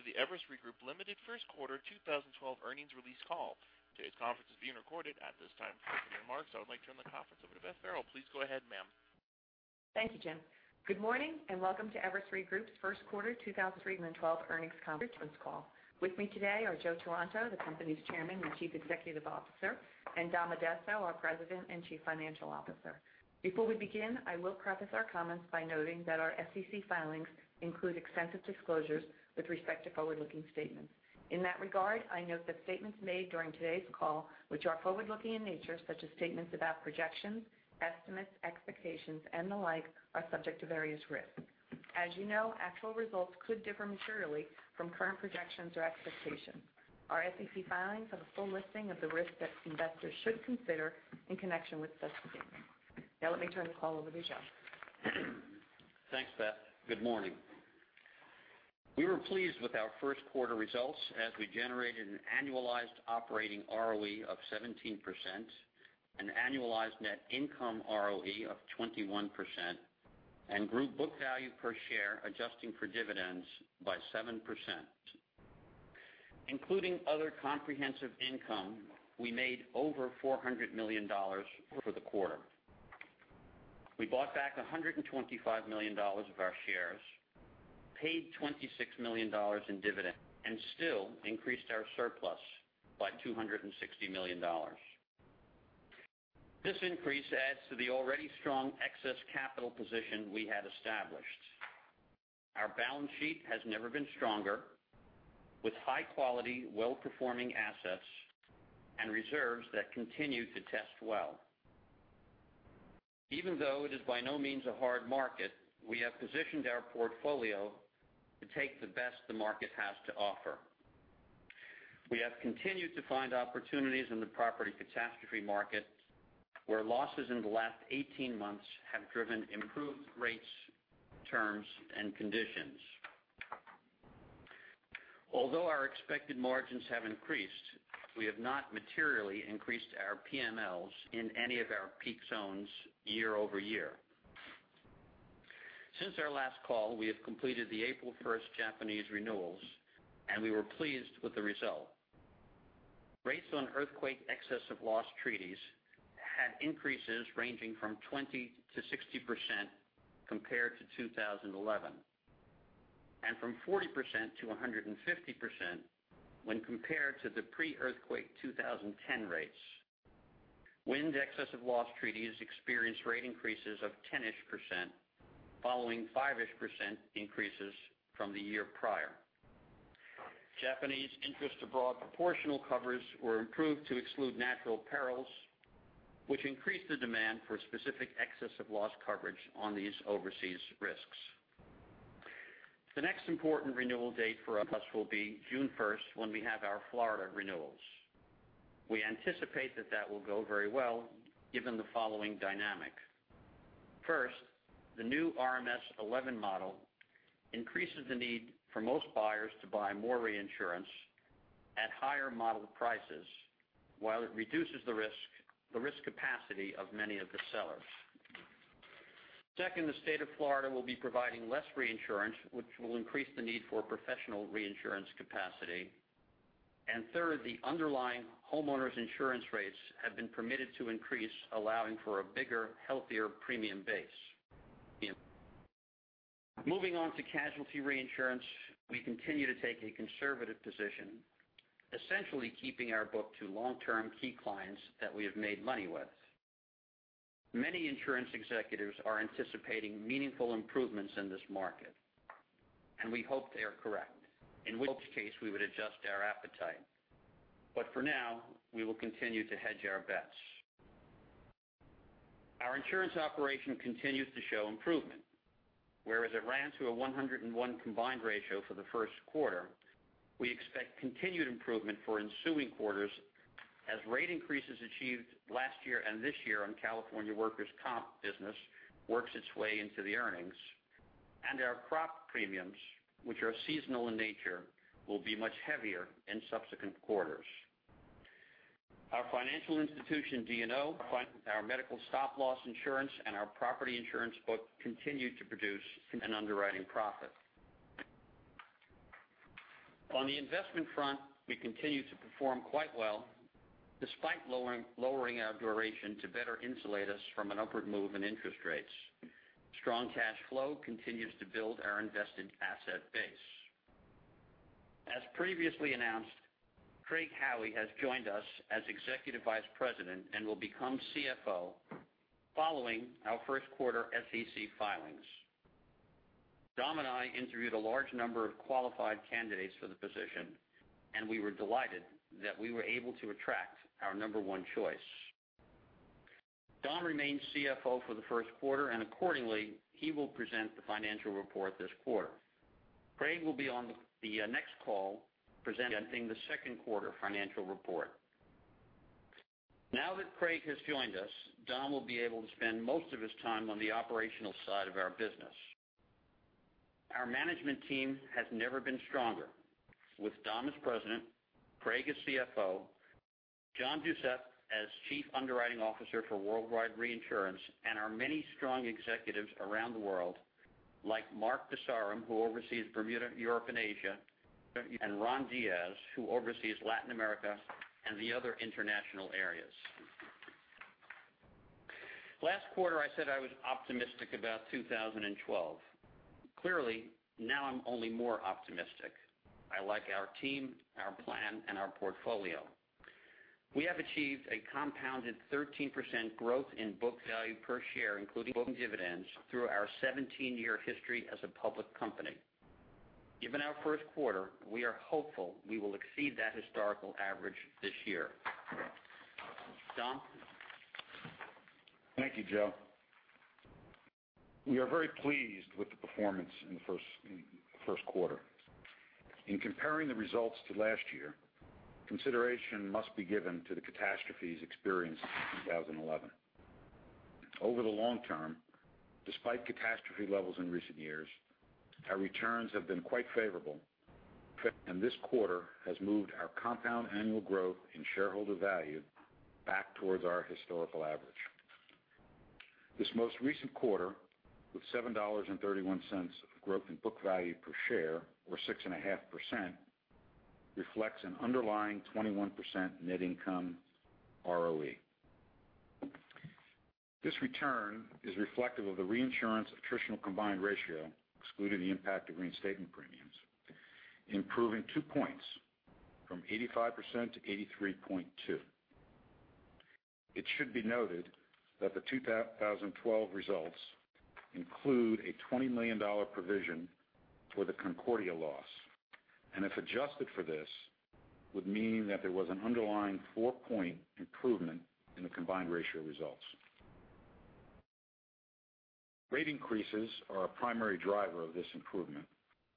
Everyone and welcome to the Everest Re Group, Ltd. first quarter 2012 earnings release call. Today's conference is being recorded. At this time, for your remarks, I would like to turn the conference over to Beth Farrell. Please go ahead, ma'am. Thank you, Jim. Good morning and welcome to Everest Re Group's first quarter 2012 earnings conference call. With me today are Joe Taranto, the company's chairman and chief executive officer, and Dom Addesso, our President and Chief Financial Officer. Before we begin, I will preface our comments by noting that our SEC filings include extensive disclosures with respect to forward-looking statements. In that regard, I note that statements made during today's call, which are forward-looking in nature, such as statements about projections, estimates, expectations, and the like, are subject to various risks. As you know, actual results could differ materially from current projections or expectations. Our SEC filings have a full listing of the risks that investors should consider in connection with such statements. Let me turn the call over to Joe. Thanks, Beth. Good morning. We were pleased with our first quarter results as we generated an annualized operating ROE of 17%, an annualized net income ROE of 21%, and group book value per share adjusting for dividends by 7%. Including other comprehensive income, we made over $400 million for the quarter. We bought back $125 million of our shares, paid $26 million in dividends, and still increased our surplus by $260 million. This increase adds to the already strong excess capital position we had established. Our balance sheet has never been stronger, with high-quality, well-performing assets and reserves that continue to test well. Even though it is by no means a hard market, we have positioned our portfolio to take the best the market has to offer. We have continued to find opportunities in the property catastrophe market, where losses in the last 18 months have driven improved rates, terms, and conditions. Although our expected margins have increased, we have not materially increased our PMLs in any of our peak zones year-over-year. Since our last call, we have completed the April 1st Japanese renewals, and we were pleased with the result. Rates on earthquake excess of loss treaties had increases ranging from 20%-60% compared to 2011, and from 40%-150% when compared to the pre-earthquake 2010 rates. Wind excess of loss treaties experienced rate increases of 10-ish% following 5-ish% increases from the year prior. Japanese interest abroad proportional covers were improved to exclude natural perils, which increased the demand for specific excess of loss coverage on these overseas risks. The next important renewal date for us will be June 1st when we have our Florida renewals. We anticipate that that will go very well given the following dynamics. First, the new RMS v11 model increases the need for most buyers to buy more reinsurance at higher model prices, while it reduces the risk capacity of many of the sellers. Second, the state of Florida will be providing less reinsurance, which will increase the need for professional reinsurance capacity. Third, the underlying homeowners' insurance rates have been permitted to increase, allowing for a bigger, healthier premium base. Moving on to casualty reinsurance, we continue to take a conservative position, essentially keeping our book to long-term key clients that we have made money with. Many insurance executives are anticipating meaningful improvements in this market, and we hope they are correct, in which case we would adjust our appetite. For now, we will continue to hedge our bets. Our insurance operation continues to show improvement. Whereas it ran through a 101 combined ratio for the first quarter, we expect continued improvement for ensuing quarters as rate increases achieved last year and this year on California workers' comp business works its way into the earnings, and our crop premiums, which are seasonal in nature, will be much heavier in subsequent quarters. Our financial institution D&O, our medical stop loss insurance, and our property insurance book continued to produce an underwriting profit. On the investment front, we continue to perform quite well despite lowering our duration to better insulate us from an upward move in interest rates. Strong cash flow continues to build our invested asset base. As previously announced, Craig Howie has joined us as Executive Vice President and will become CFO following our first quarter SEC filings. Dom and I interviewed a large number of qualified candidates for the position, and we were delighted that we were able to attract our number one choice. Dom remains CFO for the first quarter and accordingly, he will present the financial report this quarter. Craig will be on the next call presenting the second quarter financial report. Now that Craig has joined us, Dom will be able to spend most of his time on the operational side of our business. Our management team has never been stronger. With Dom as President, Craig as CFO, John Doucette as Chief Underwriting Officer for Worldwide Reinsurance and our many strong executives around the world like Mark de Saram, who oversees Bermuda, Europe, and Asia, and Ron Diaz, who oversees Latin America and the other international areas. Last quarter, I said I was optimistic about 2012. Clearly, now I'm only more optimistic. I like our team, our plan, and our portfolio. We have achieved a compounded 13% growth in book value per share, including dividends through our 17-year history as a public company. Given our first quarter, we are hopeful we will exceed that historical average this year. Dom? Thank you, Joe. We are very pleased with the performance in the first quarter. In comparing the results to last year, consideration must be given to the catastrophes experienced in 2011. Over the long term, despite catastrophe levels in recent years, our returns have been quite favorable, and this quarter has moved our compound annual growth in shareholder value back towards our historical average. This most recent quarter, with $7.31 of growth in book value per share or 6.5%, reflects an underlying 21% net income ROE. This return is reflective of the reinsurance attritional combined ratio, excluding the impact of reinstatement premiums, improving two points from 85% to 83.2%. It should be noted that the 2012 results include a $20 million provision for the Concordia loss, and if adjusted for this, would mean that there was an underlying four-point improvement in the combined ratio results. Rate increases are a primary driver of this improvement,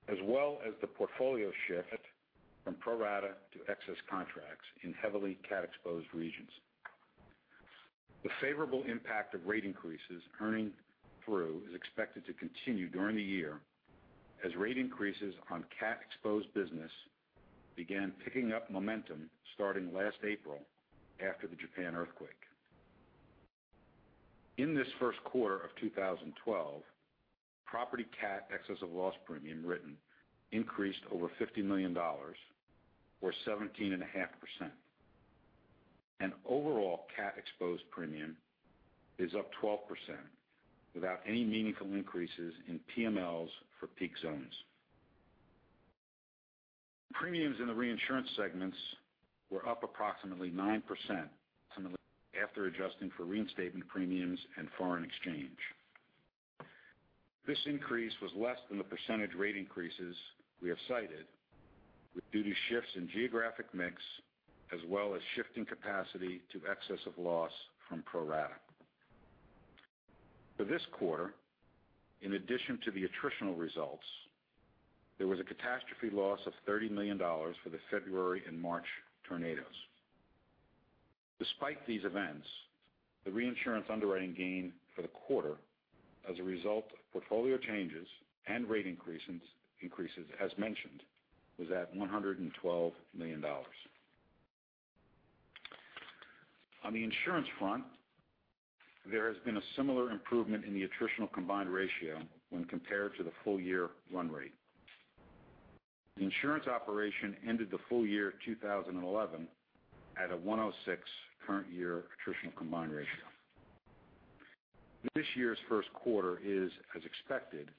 as well as the portfolio shift from pro-rata to excess contracts in heavily cat-exposed regions. The favorable impact of rate increases earning through is expected to continue during the year as rate increases on cat-exposed business began picking up momentum starting last April after the Japan earthquake. In this first quarter of 2012, property cat excess of loss premium written increased over $50 million or 17.5%. Overall cat-exposed premium is up 12% without any meaningful increases in PMLs for peak zones. Premiums in the reinsurance segments were up approximately 9% after adjusting for reinstatement premiums and foreign exchange. This increase was less than the percentage rate increases we have cited due to shifts in geographic mix, as well as shifting capacity to excess of loss from pro-rata. For this quarter, in addition to the attritional results, there was a catastrophe loss of $30 million for the February and March tornadoes. Despite these events, the reinsurance underwriting gain for the quarter as a result of portfolio changes and rate increases, as mentioned, was at $112 million. On the insurance front, there has been a similar improvement in the attritional combined ratio when compared to the full year run rate. The insurance operation ended the full year 2011 at a 106 current year attritional combined ratio. This year's first quarter is, as expected,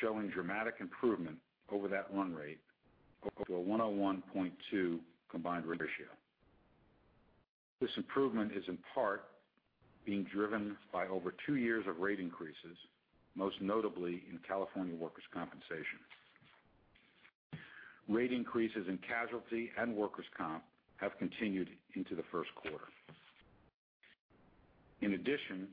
showing dramatic improvement over that run rate of a 101.2 combined ratio. This improvement is in part being driven by over two years of rate increases, most notably in California workers' compensation. Rate increases in casualty and workers' comp have continued into the first quarter. In addition,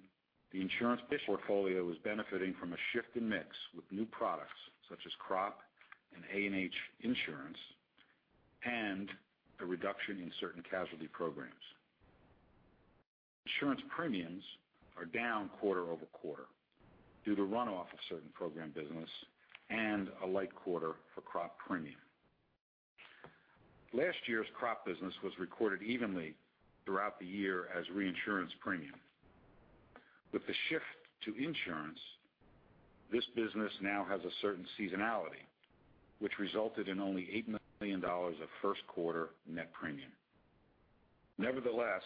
the insurance portfolio is benefiting from a shift in mix with new products such as crop and A&H insurance and a reduction in certain casualty programs. Insurance premiums are down quarter-over-quarter due to runoff of certain program business and a light quarter for crop premium. Last year's crop business was recorded evenly throughout the year as reinsurance premium. With the shift to insurance, this business now has a certain seasonality, which resulted in only $8 million of first-quarter net premium. Nevertheless,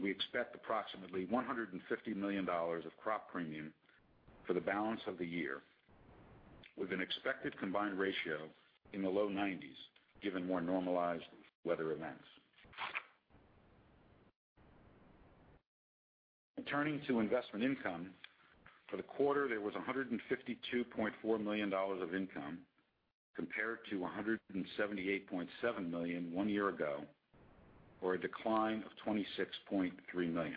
we expect approximately $150 million of crop premium for the balance of the year with an expected combined ratio in the low 90s given more normalized weather events. Turning to investment income, for the quarter there was $152.4 million of income compared to $178.7 million one year ago or a decline of $26.3 million.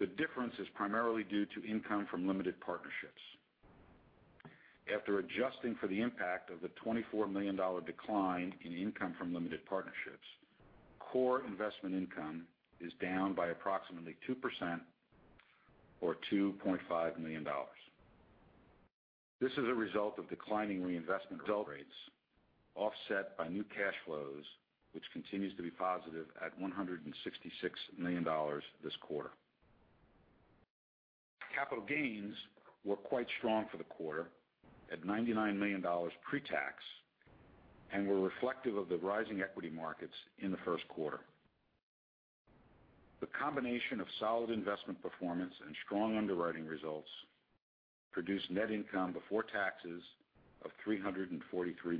The difference is primarily due to income from limited partnerships. After adjusting for the impact of the $24 million decline in income from limited partnerships, core investment income is down by approximately 2% or $2.5 million. This is a result of declining reinvestment result rates offset by new cash flows, which continues to be positive at $166 million this quarter. Capital gains were quite strong for the quarter at $99 million pre-tax, and were reflective of the rising equity markets in the first quarter. The combination of solid investment performance and strong underwriting results produced net income before taxes of $343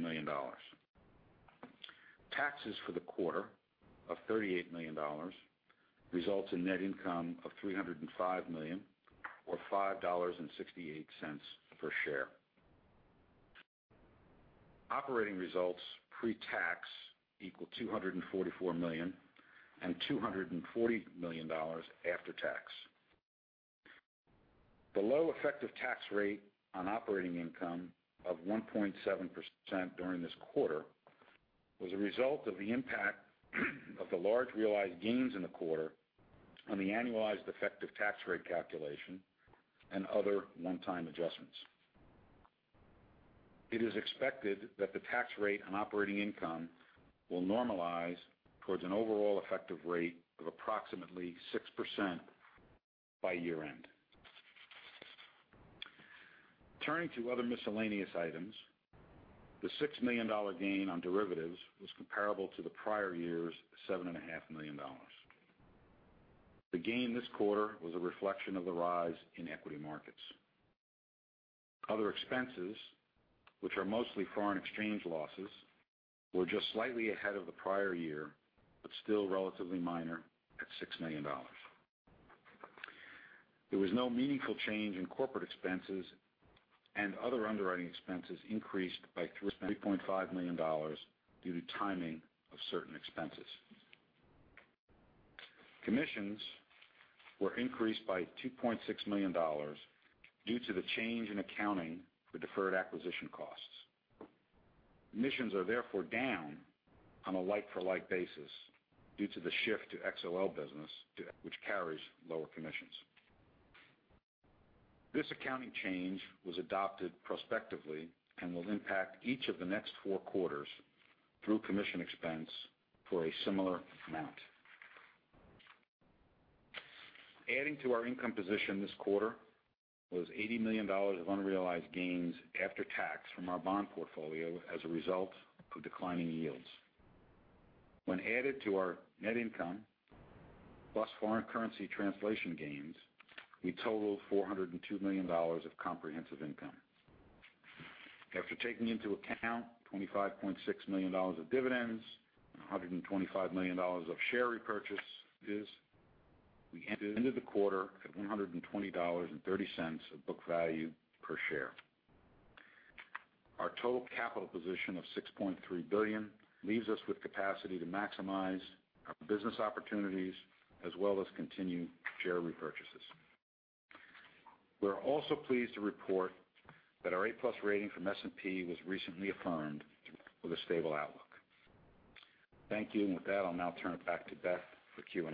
million. Taxes for the quarter of $38 million results in net income of $305 million or $5.68 per share. Operating results pre-tax equal $244 million and $240 million after tax. The low effective tax rate on operating income of 1.7% during this quarter was a result of the impact of the large realized gains in the quarter on the annualized effective tax rate calculation and other one-time adjustments. It is expected that the tax rate on operating income will normalize towards an overall effective rate of approximately 6% by year-end. Turning to other miscellaneous items, the $6 million gain on derivatives was comparable to the prior year's $7.5 million. The gain this quarter was a reflection of the rise in equity markets. Other expenses, which are mostly foreign exchange losses, were just slightly ahead of the prior year, but still relatively minor at $6 million. There was no meaningful change in corporate expenses, and other underwriting expenses increased by $3.5 million due to timing of certain expenses. Commissions were increased by $2.6 million due to the change in accounting for deferred acquisition costs. Commissions are therefore down on a like-for-like basis due to the shift to XOL business, which carries lower commissions. This accounting change was adopted prospectively and will impact each of the next four quarters through commission expense for a similar amount. Adding to our income position this quarter was $80 million of unrealized gains after tax from our bond portfolio as a result of declining yields. When added to our net income plus foreign currency translation gains, we total $402 million of comprehensive income. After taking into account $25.6 million of dividends and $125 million of share repurchases, we ended the quarter at $120.30 of book value per share. Our total capital position of $6.3 billion leaves us with capacity to maximize our business opportunities as well as continue share repurchases. We're also pleased to report that our A+ rating from S&P was recently affirmed with a stable outlook. Thank you. With that, I'll now turn it back to Beth for Q&A.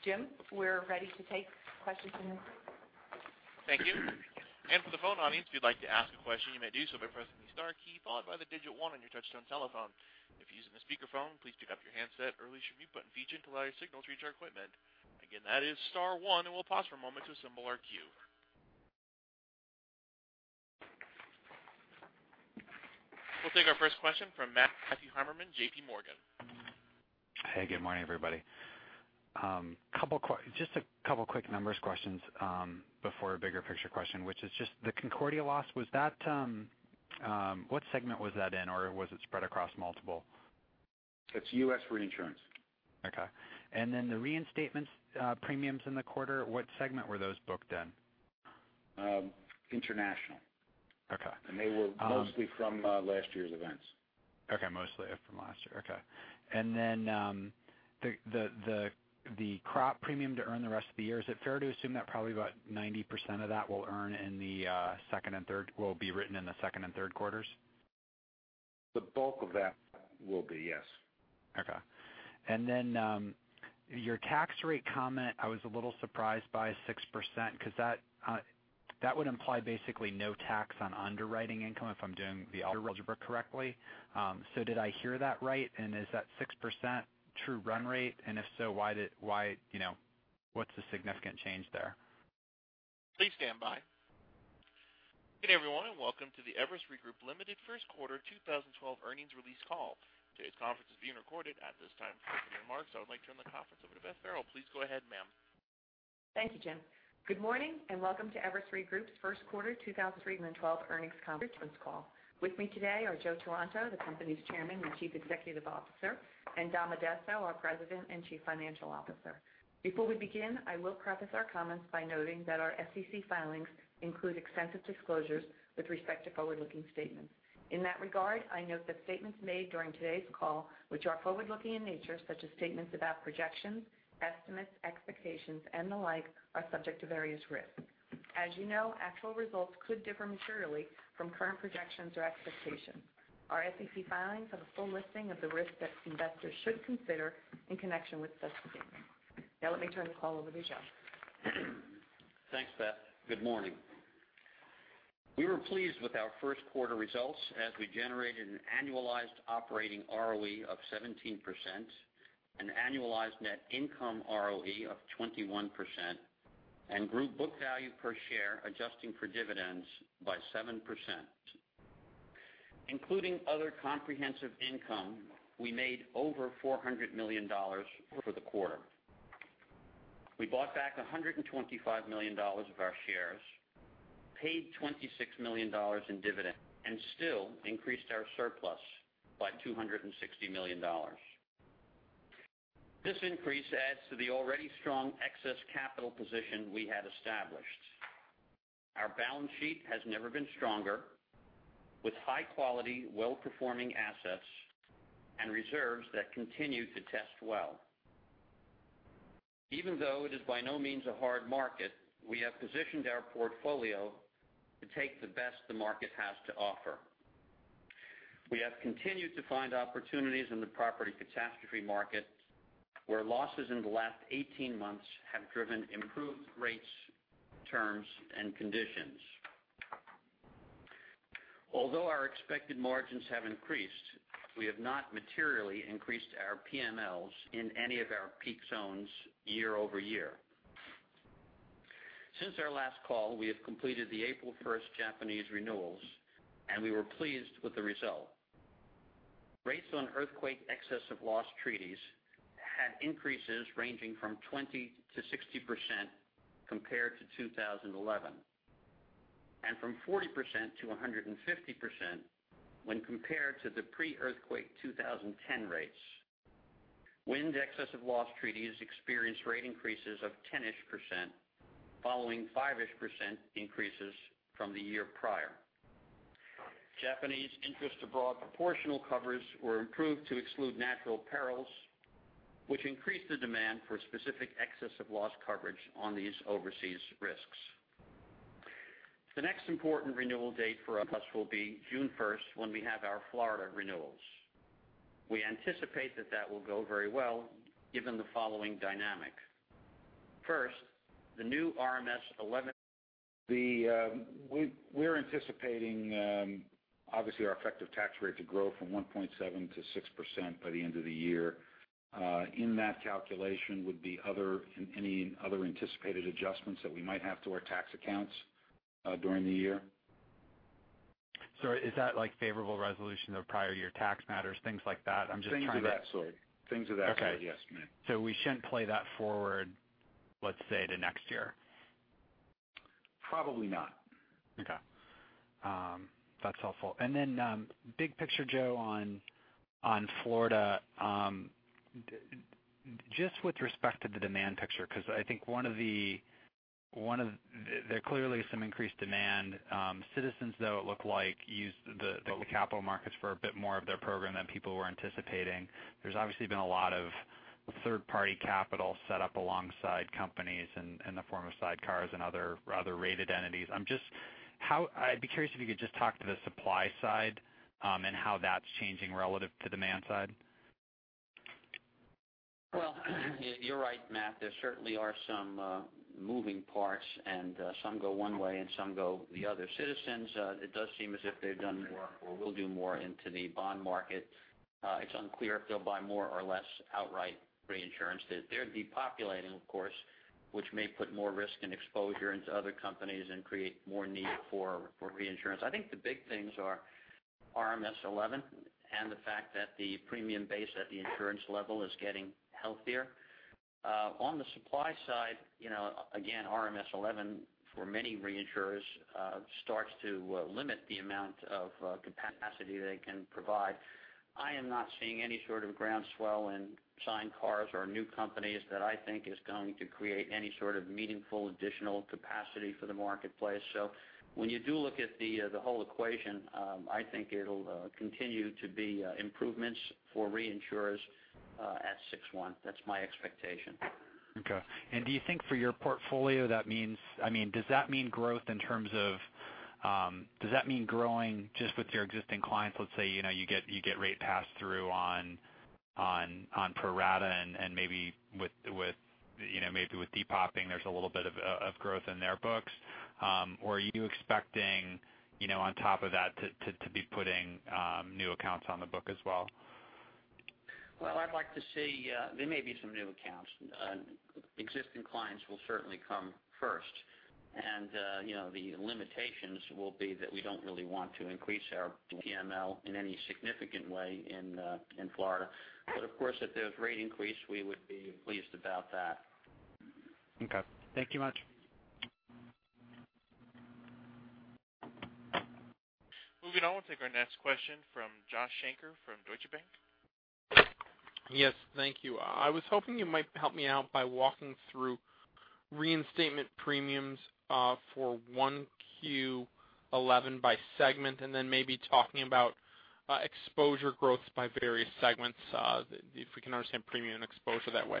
Jim, we're ready to take questions from the group. Thank you. For the phone audience, if you'd like to ask a question, you may do so by pressing the star key followed by the digit 1 on your touchtone telephone. If you're using a speakerphone, please pick up your handset or release your mute button feature to allow your signal to reach our equipment. Again, that is star 1, and we'll pause for a moment to assemble our queue. We'll take our first question from Matthew Heimermann, J.P. Morgan. Hey, good morning, everybody. Just a couple of quick numbers questions before a bigger picture question, which is just the Concordia loss. What segment was that in, or was it spread across multiple? It's U.S. reinsurance. Okay. Then the reinstatement premiums in the quarter, what segment were those booked in? International. Okay. They were mostly from last year's events. Okay. Then the crop premium to earn the rest of the year. Is it fair to assume that probably about 90% of that will be written in the second and third quarters? The bulk of that will be, yes. Okay. Then your tax rate comment, I was a little surprised by 6% because that would imply basically no tax on underwriting income if I'm doing the algebra correctly. Did I hear that right? Is that 6% true run rate? If so, what's the significant change there? Please stand by. Good day, everyone, and welcome to the Everest Re Group Limited First Quarter 2012 earnings release call. Today's conference is being recorded. At this time, for remarks, I would like to turn the conference over to Beth Farrell. Please go ahead, ma'am. Thank you, Jim. Good morning and welcome to Everest Re Group's First Quarter 2012 earnings conference call. With me today are Joe Taranto, the company's Chairman and Chief Executive Officer, and Dom Addesso, our President and Chief Financial Officer. Before we begin, I will preface our comments by noting that our SEC filings include extensive disclosures with respect to forward-looking statements. In that regard, I note that statements made during today's call, which are forward-looking in nature, such as statements about projections, estimates, expectations, and the like, are subject to various risks. As you know, actual results could differ materially from current projections or expectations. Our SEC filings have a full listing of the risks that investors should consider in connection with such statements. Let me turn the call over to Joe. Thanks, Beth. Good morning. We were pleased with our first quarter results as we generated an annualized operating ROE of 17%, an annualized net income ROE of 21%, and group book value per share adjusting for dividends by 7%. Including other comprehensive income, we made over $400 million for the quarter. We bought back $125 million of our shares, paid $26 million in dividends, and still increased our surplus by $260 million. This increase adds to the already strong excess capital position we had established. Our balance sheet has never been stronger, with high-quality, well-performing assets and reserves that continue to test well. Even though it is by no means a hard market, we have positioned our portfolio to take the best the market has to offer. We have continued to find opportunities in the property catastrophe market, where losses in the last 18 months have driven improved rates, terms, and conditions. Although our expected margins have increased, we have not materially increased our PMLs in any of our peak zones year-over-year. Since our last call, we have completed the April 1st Japanese renewals, and we were pleased with the result. Rates on earthquake excess of loss treaties had increases ranging from 20%-60% compared to 2011, and from 40%-150% when compared to the pre-earthquake 2010 rates. Wind excess of loss treaties experienced rate increases of 10-ish%, following five-ish% increases from the year prior. Japanese interest abroad proportional covers were improved to exclude natural perils, which increased the demand for specific excess of loss coverage on these overseas risks. The next important renewal date for us will be June 1st when we have our Florida renewals. We anticipate that that will go very well given the following dynamic. First, the new RMS v11- We're anticipating, obviously our effective tax rate to grow from 1.7%-6% by the end of the year. In that calculation would be any other anticipated adjustments that we might have to our tax accounts during the year. Sorry, is that like favorable resolution of prior year tax matters, things like that? Things of that sort. Okay. Yes, Matt. We shouldn't play that forward, let's say, to next year? Probably not. Okay. That's helpful. Then, big picture, Joe, on Florida, just with respect to the demand picture, because I think there clearly is some increased demand. Citizens though, it looked like used the capital markets for a bit more of their program than people were anticipating. There's obviously been a lot of third-party capital set up alongside companies in the form of sidecars and other rated entities. I'd be curious if you could just talk to the supply side, and how that's changing relative to demand side. You're right, Matt. There certainly are some moving parts and some go one way and some go the other. Citizens, it does seem as if they've done more or will do more into the bond market. It's unclear if they'll buy more or less outright reinsurance. They're depopulating, of course, which may put more risk and exposure into other companies and create more need for reinsurance. I think the big things are RMS v11 and the fact that the premium base at the insurance level is getting healthier. On the supply side, again, RMS v11 for many reinsurers starts to limit the amount of capacity they can provide. I am not seeing any sort of groundswell in sidecars or new companies that I think is going to create any sort of meaningful additional capacity for the marketplace. When you do look at the whole equation, I think it'll continue to be improvements for reinsurers at six one. That's my expectation. Okay. Do you think for your portfolio, does that mean growing just with your existing clients? Let's say, you get rate pass-through on pro-rata and maybe with depop-ing there's a little bit of growth in their books. Are you expecting on top of that to be putting new accounts on the book as well? Well, I'd like to see there may be some new accounts. Existing clients will certainly come first. The limitations will be that we don't really want to increase our PML in any significant way in Florida. Of course, if there's rate increase, we would be pleased about that. Okay. Thank you much. Moving on. We'll take our next question from Josh Shanker from Deutsche Bank. Yes. Thank you. I was hoping you might help me out by walking through reinstatement premiums for 1Q11 by segment, and then maybe talking about exposure growth by various segments, if we can understand premium exposure that way.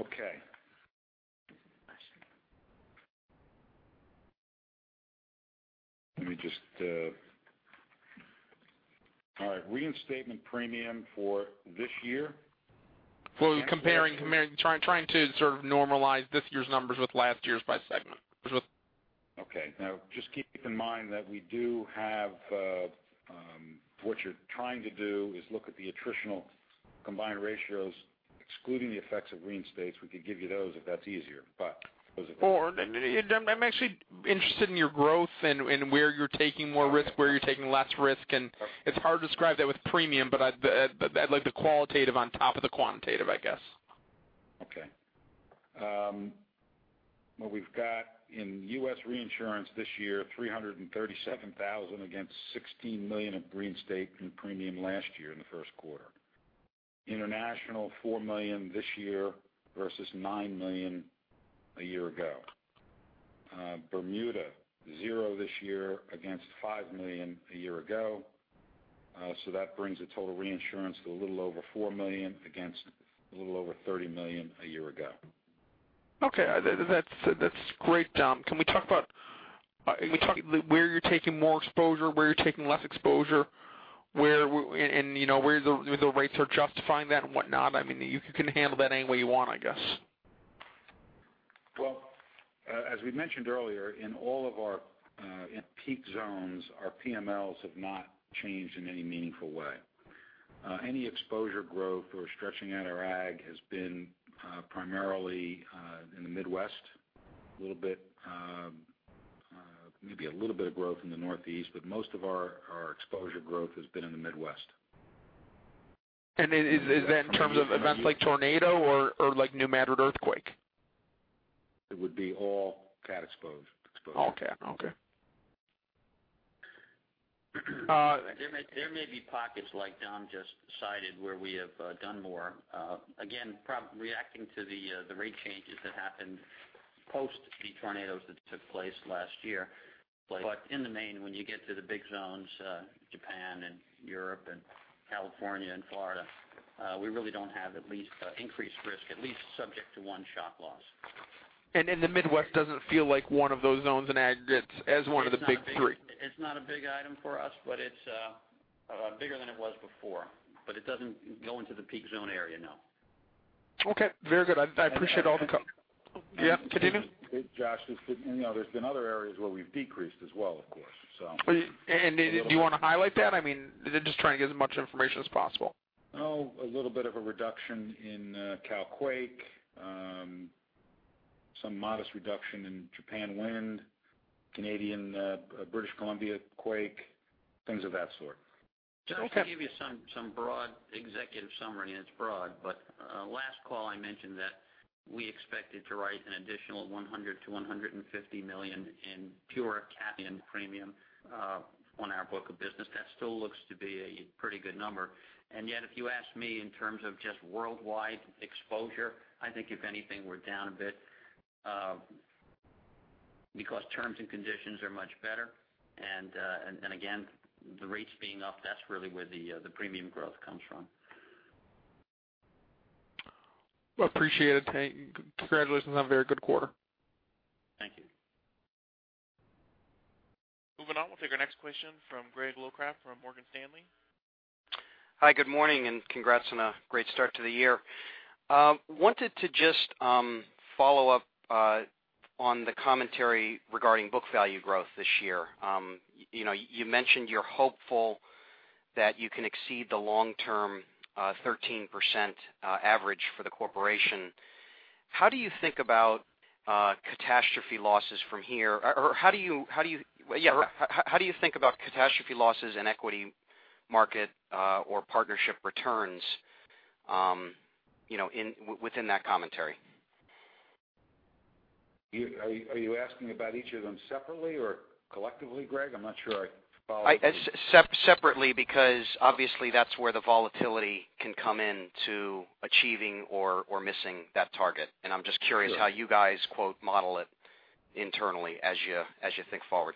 Okay All right, reinstatement premium for this year? Well, comparing, trying to sort of normalize this year's numbers with last year's by segment. Okay. Just keep in mind that what you're trying to do is look at the attritional combined ratios, excluding the effects of reinstates. We could give you those if that's easier. I'm actually interested in your growth and where you're taking more risk, where you're taking less risk, and it's hard to describe that with premium, but I'd like the qualitative on top of the quantitative, I guess. Okay. What we've got in U.S. reinsurance this year, $337,000 against $16 million of reinstatement premiums last year in the first quarter. International, $4 million this year versus $9 million a year ago. Bermuda, 0 this year against $5 million a year ago. That brings the total reinsurance to a little over $4 million against a little over $30 million a year ago. Okay. That's great, Dom. Can we talk about where you're taking more exposure, where you're taking less exposure, and where the rates are justifying that and whatnot? You can handle that any way you want, I guess. As we mentioned earlier, in all of our peak zones, our PMLs have not changed in any meaningful way. Any exposure growth or stretching out our Ag has been primarily in the Midwest, a little bit, maybe a little bit of growth in the Northeast, but most of our exposure growth has been in the Midwest. Is that in terms of events like tornado or like New Madrid earthquake? It would be all cat exposed. All cat. Okay. There may be pockets like Dom just cited where we have done more, again, reacting to the rate changes that happened post the tornadoes that took place last year. In the main, when you get to the big zones, Japan and Europe and California and Florida, we really don't have at least increased risk, at least subject to one shock loss. The Midwest doesn't feel like one of those zones in aggregates as one of the big three? It's not a big item for us, but it's bigger than it was before. It doesn't go into the peak zone area, no. Okay. Very good. I appreciate all the And I think- Yeah, continue Josh, there's been other areas where we've decreased as well, of course. Do you want to highlight that? Just trying to get as much information as possible. A little bit of a reduction in Cal quake, some modest reduction in Japan wind, Canadian, British Columbia quake, things of that sort. Okay. Just to give you some broad executive summary, and it's broad, but last call, I mentioned that we expected to write an additional $100 million-$150 million in pure cat premium on our book of business. That still looks to be a pretty good number. Yet if you ask me in terms of just worldwide exposure, I think if anything, we're down a bit because terms and conditions are much better. Again, the rates being up, that's really where the premium growth comes from. Well, appreciate it. Congratulations on a very good quarter. Thank you. Moving on. We'll take our next question from Greg Locraft from Morgan Stanley. Hi, good morning, and congrats on a great start to the year. I wanted to just follow up on the commentary regarding book value growth this year. You mentioned you're hopeful that you can exceed the long-term 13% average for the corporation. How do you think about catastrophe losses from here? How do you think about catastrophe losses and equity market or partnership returns within that commentary? Are you asking about each of them separately or collectively, Greg? I'm not sure I follow. Separately, because obviously that's where the volatility can come in to achieving or missing that target. I'm just curious how you guys, quote, "model it" internally as you think forward.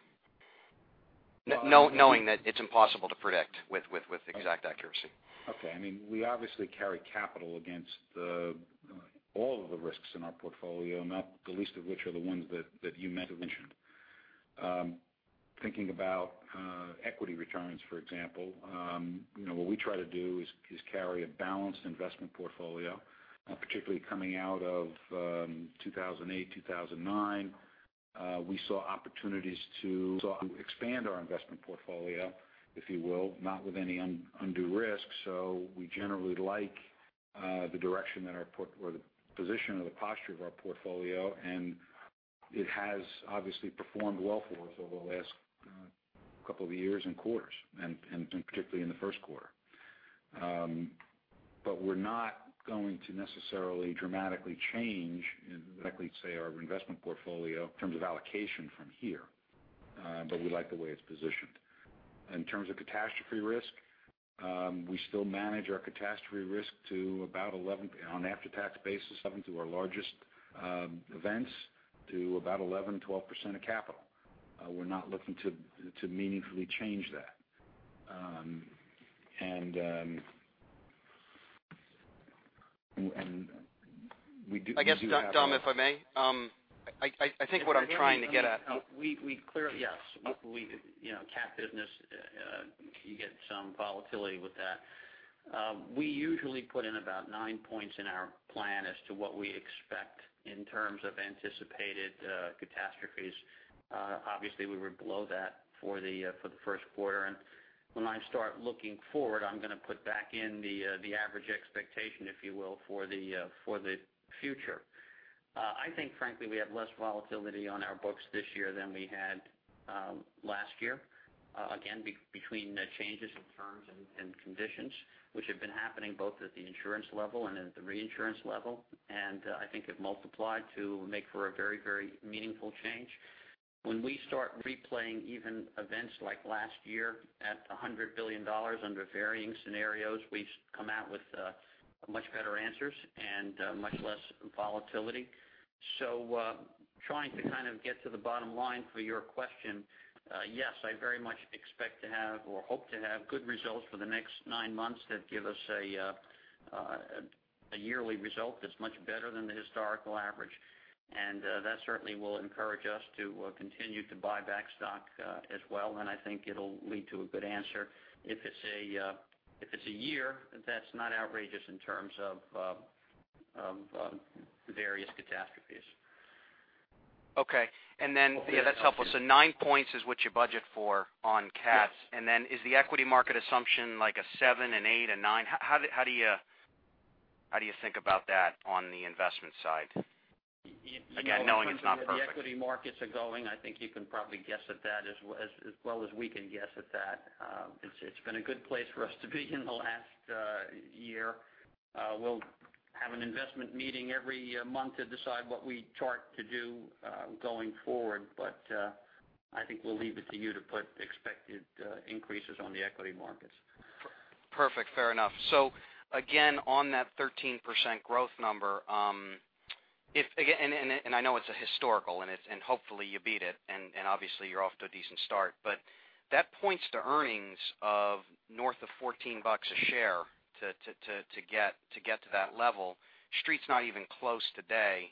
Knowing that it's impossible to predict with exact accuracy. Okay. We obviously carry capital against all of the risks in our portfolio, not the least of which are the ones that you mentioned. Thinking about equity returns, for example, what we try to do is carry a balanced investment portfolio, particularly coming out of 2008, 2009. We saw opportunities to expand our investment portfolio, if you will, not with any undue risk. We generally like the direction or the position or the posture of our portfolio, and it has obviously performed well for us over the last couple of years and quarters, and particularly in the first quarter. We're not going to necessarily dramatically change, directly say, our investment portfolio in terms of allocation from here. We like the way it's positioned. In terms of catastrophe risk, we still manage our catastrophe risk to about 11%, on an after-tax basis, having to our largest events to about 11%-12% of capital. We're not looking to meaningfully change that. I guess, Dom, if I may, I think what I'm trying to get at. We clearly, yes. Cat business, you get some volatility with that. We usually put in about nine points in our plan as to what we expect in terms of anticipated catastrophes. Obviously, we were below that for the first quarter. When I start looking forward, I'm going to put back in the average expectation, if you will, for the future. I think, frankly, we have less volatility on our books this year than we had last year. Again, between changes in terms and conditions, which have been happening both at the insurance level and at the reinsurance level, and I think have multiplied to make for a very, very meaningful change. When we start replaying even events like last year at $100 billion under varying scenarios, we come out with much better answers and much less volatility. Trying to kind of get to the bottom line for your question. Yes, I very much expect to have or hope to have good results for the next nine months that give us a yearly result that's much better than the historical average. That certainly will encourage us to continue to buy back stock as well, and I think it'll lead to a good answer if it's a year that's not outrageous in terms of various catastrophes. Okay. That's helpful. Nine points is what you budget for on cats. Yes. Is the equity market assumption like a seven, an eight, a nine? How do you think about that on the investment side? Again, knowing it's not perfect. The equity markets are going, I think you can probably guess at that as well as we can guess at that. It's been a good place for us to be in the last year. We'll have an investment meeting every month to decide what we chart to do going forward. I think we'll leave it to you to put expected increases on the equity markets. Perfect. Fair enough. Again, on that 13% growth number, I know it's a historical and hopefully you beat it, obviously you're off to a decent start, that points to earnings of north of $14 a share to get to that level. Street's not even close today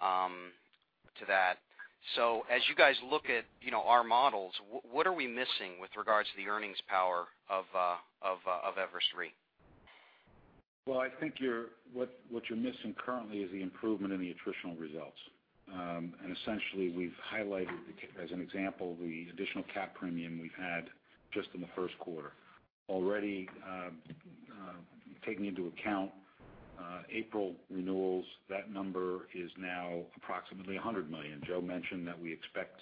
to that. As you guys look at our models, what are we missing with regards to the earnings power of Everest Re? Well, I think what you're missing currently is the improvement in the attritional results. Essentially, we've highlighted, as an example, the additional cap premium we've had just in the first quarter. Already taking into account April renewals, that number is now approximately $100 million. Joe mentioned that we expect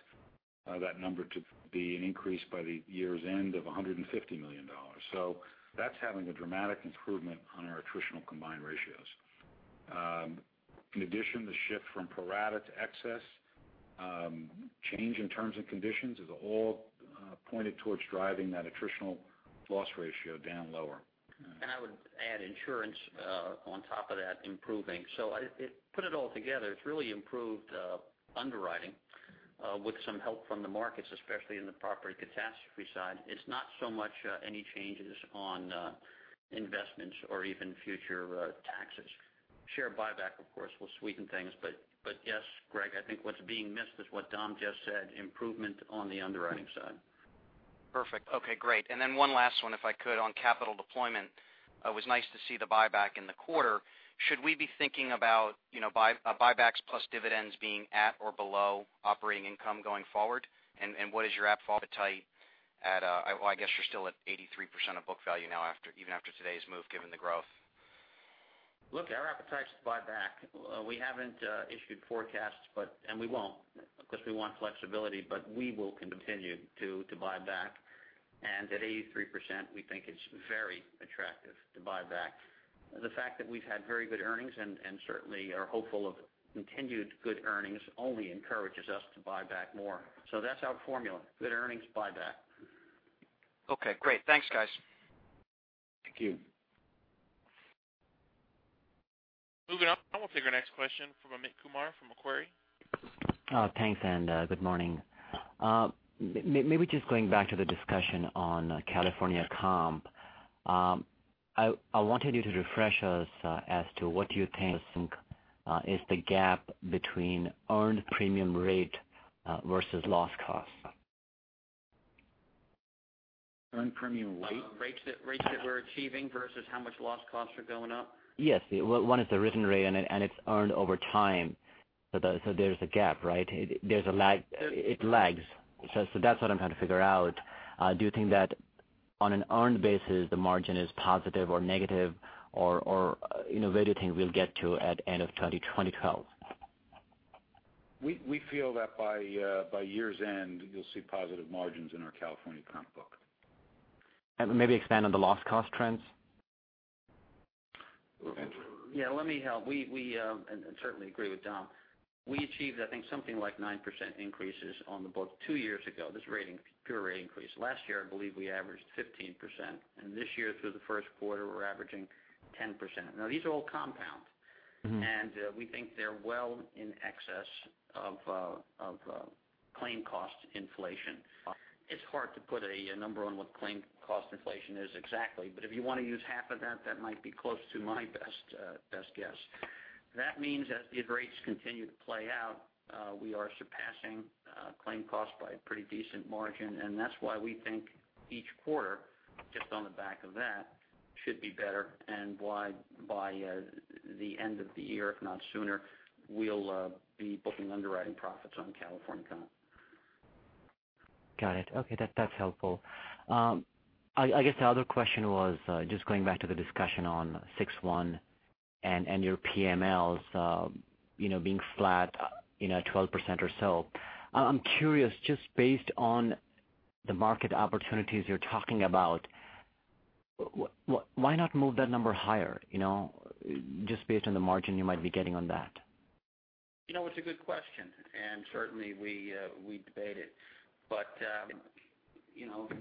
that number to be an increase by the year's end of $150 million. That's having a dramatic improvement on our attritional combined ratios. In addition, the shift from pro-rata to excess, change in terms and conditions, is all pointed towards driving that attritional loss ratio down lower. I would add insurance on top of that improving. Put it all together, it's really improved underwriting with some help from the markets, especially in the property catastrophe side. It's not so much any changes on investments or even future taxes. Share buyback, of course, will sweeten things. Yes, Greg, I think what's being missed is what Dom just said, improvement on the underwriting side. Perfect. Okay, great. Then one last one, if I could, on capital deployment. It was nice to see the buyback in the quarter. Should we be thinking about buybacks plus dividends being at or below operating income going forward? What is your appetite at, well, I guess you're still at 83% of book value now, even after today's move, given the growth. Look, our appetite is to buy back. We haven't issued forecasts, and we won't because we want flexibility, but we will continue to buy back. At 83%, we think it's very attractive to buy back. The fact that we've had very good earnings and certainly are hopeful of continued good earnings only encourages us to buy back more. That's our formula. Good earnings, buy back. Okay, great. Thanks, guys. Thank you. Moving on. We'll take our next question from Amit Kumar from Macquarie. Thanks. Good morning. Maybe just going back to the discussion on California comp. I wanted you to refresh us as to what you think is the gap between earned premium rate versus loss cost. Earned premium rate? Rates that we're achieving versus how much loss costs are going up? Yes. one is the written rate and it's earned over time. There's a gap, right? It lags. That's what I'm trying to figure out. Do you think that on an earned basis, the margin is positive or negative or where do you think we'll get to at end of 2012? We feel that by year's end, you'll see positive margins in our California comp book. Maybe expand on the loss cost trends? Go ahead. Yeah, let me help. We, and certainly agree with Dom. We achieved, I think something like 9% increases on the book two years ago, this pure rate increase. Last year, I believe we averaged 15%. This year through the first quarter, we're averaging 10%. These are all compound. We think they're well in excess of claim cost inflation. It's hard to put a number on what claim cost inflation is exactly, but if you want to use half of that might be close to my best guess. That means as the rates continue to play out, we are surpassing claim cost by a pretty decent margin, and that's why we think each quarter, just on the back of that, should be better, and why by the end of the year, if not sooner, we'll be booking underwriting profits on California Comp. Got it. Okay. That's helpful. I guess the other question was just going back to the discussion on 6/1 and your PMLs being flat 12% or so. I'm curious, just based on the market opportunities you're talking about, why not move that number higher? Just based on the margin you might be getting on that. It's a good question, certainly we debate it.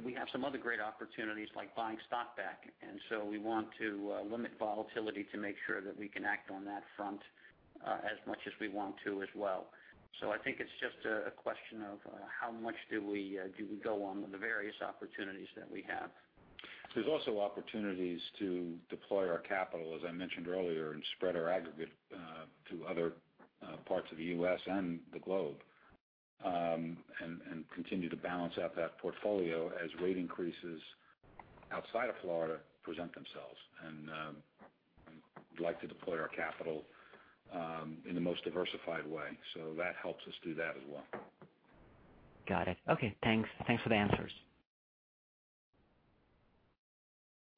We have some other great opportunities like buying stock back, we want to limit volatility to make sure that we can act on that front as much as we want to as well. I think it's just a question of how much do we go on with the various opportunities that we have. There's also opportunities to deploy our capital, as I mentioned earlier, spread our aggregate to other parts of the U.S. and the globe, continue to balance out that portfolio as rate increases outside of Florida present themselves. We'd like to deploy our capital in the most diversified way, that helps us do that as well. Got it. Okay. Thanks for the answers.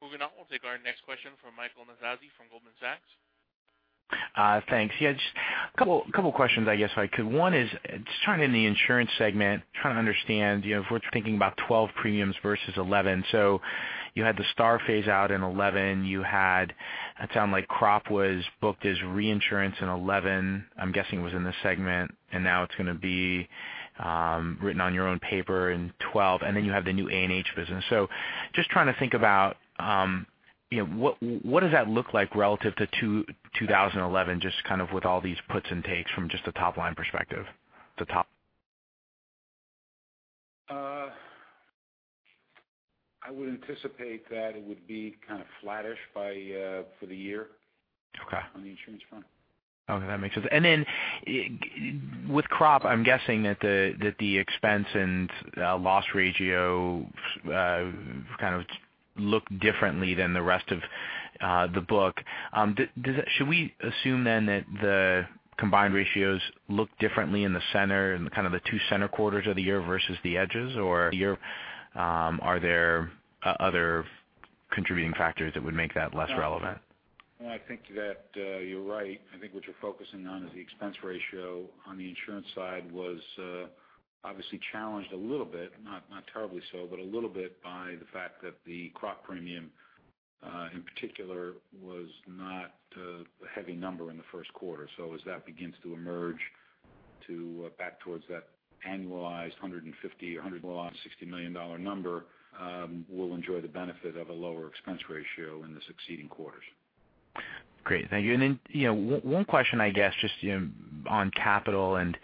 Moving on. We'll take our next question from Michael Nannizzi from Goldman Sachs. Thanks. Yeah, just a couple of questions, I guess, if I could. One is just trying in the insurance segment, trying to understand if we're thinking about 2012 premiums versus 2011. You had the STAR Program phase out in 2011. You had, it sounded like crop was booked as reinsurance in 2011. I'm guessing it was in this segment, and now it's going to be written on your own paper in 2012, and then you have the new A&H business. Just trying to think about what does that look like relative to 2011, just kind of with all these puts and takes from just a top line perspective? I would anticipate that it would be kind of flattish for the year. Okay On the insurance front. Okay, that makes sense. With crop, I'm guessing that the expense and loss ratios kind of look differently than the rest of the book. Should we assume then that the combined ratios look differently in the center, in kind of the two center quarters of the year versus the edges? Are there other contributing factors that would make that less relevant? No, I think that you're right. I think what you're focusing on is the expense ratio on the insurance side was obviously challenged a little bit, not terribly so, but a little bit by the fact that the crop premium, in particular, was not a heavy number in the first quarter. As that begins to emerge to back towards that annualized $150 million or $160 million number, we'll enjoy the benefit of a lower expense ratio in the succeeding quarters. Great. Thank you. One question, I guess, just on capital and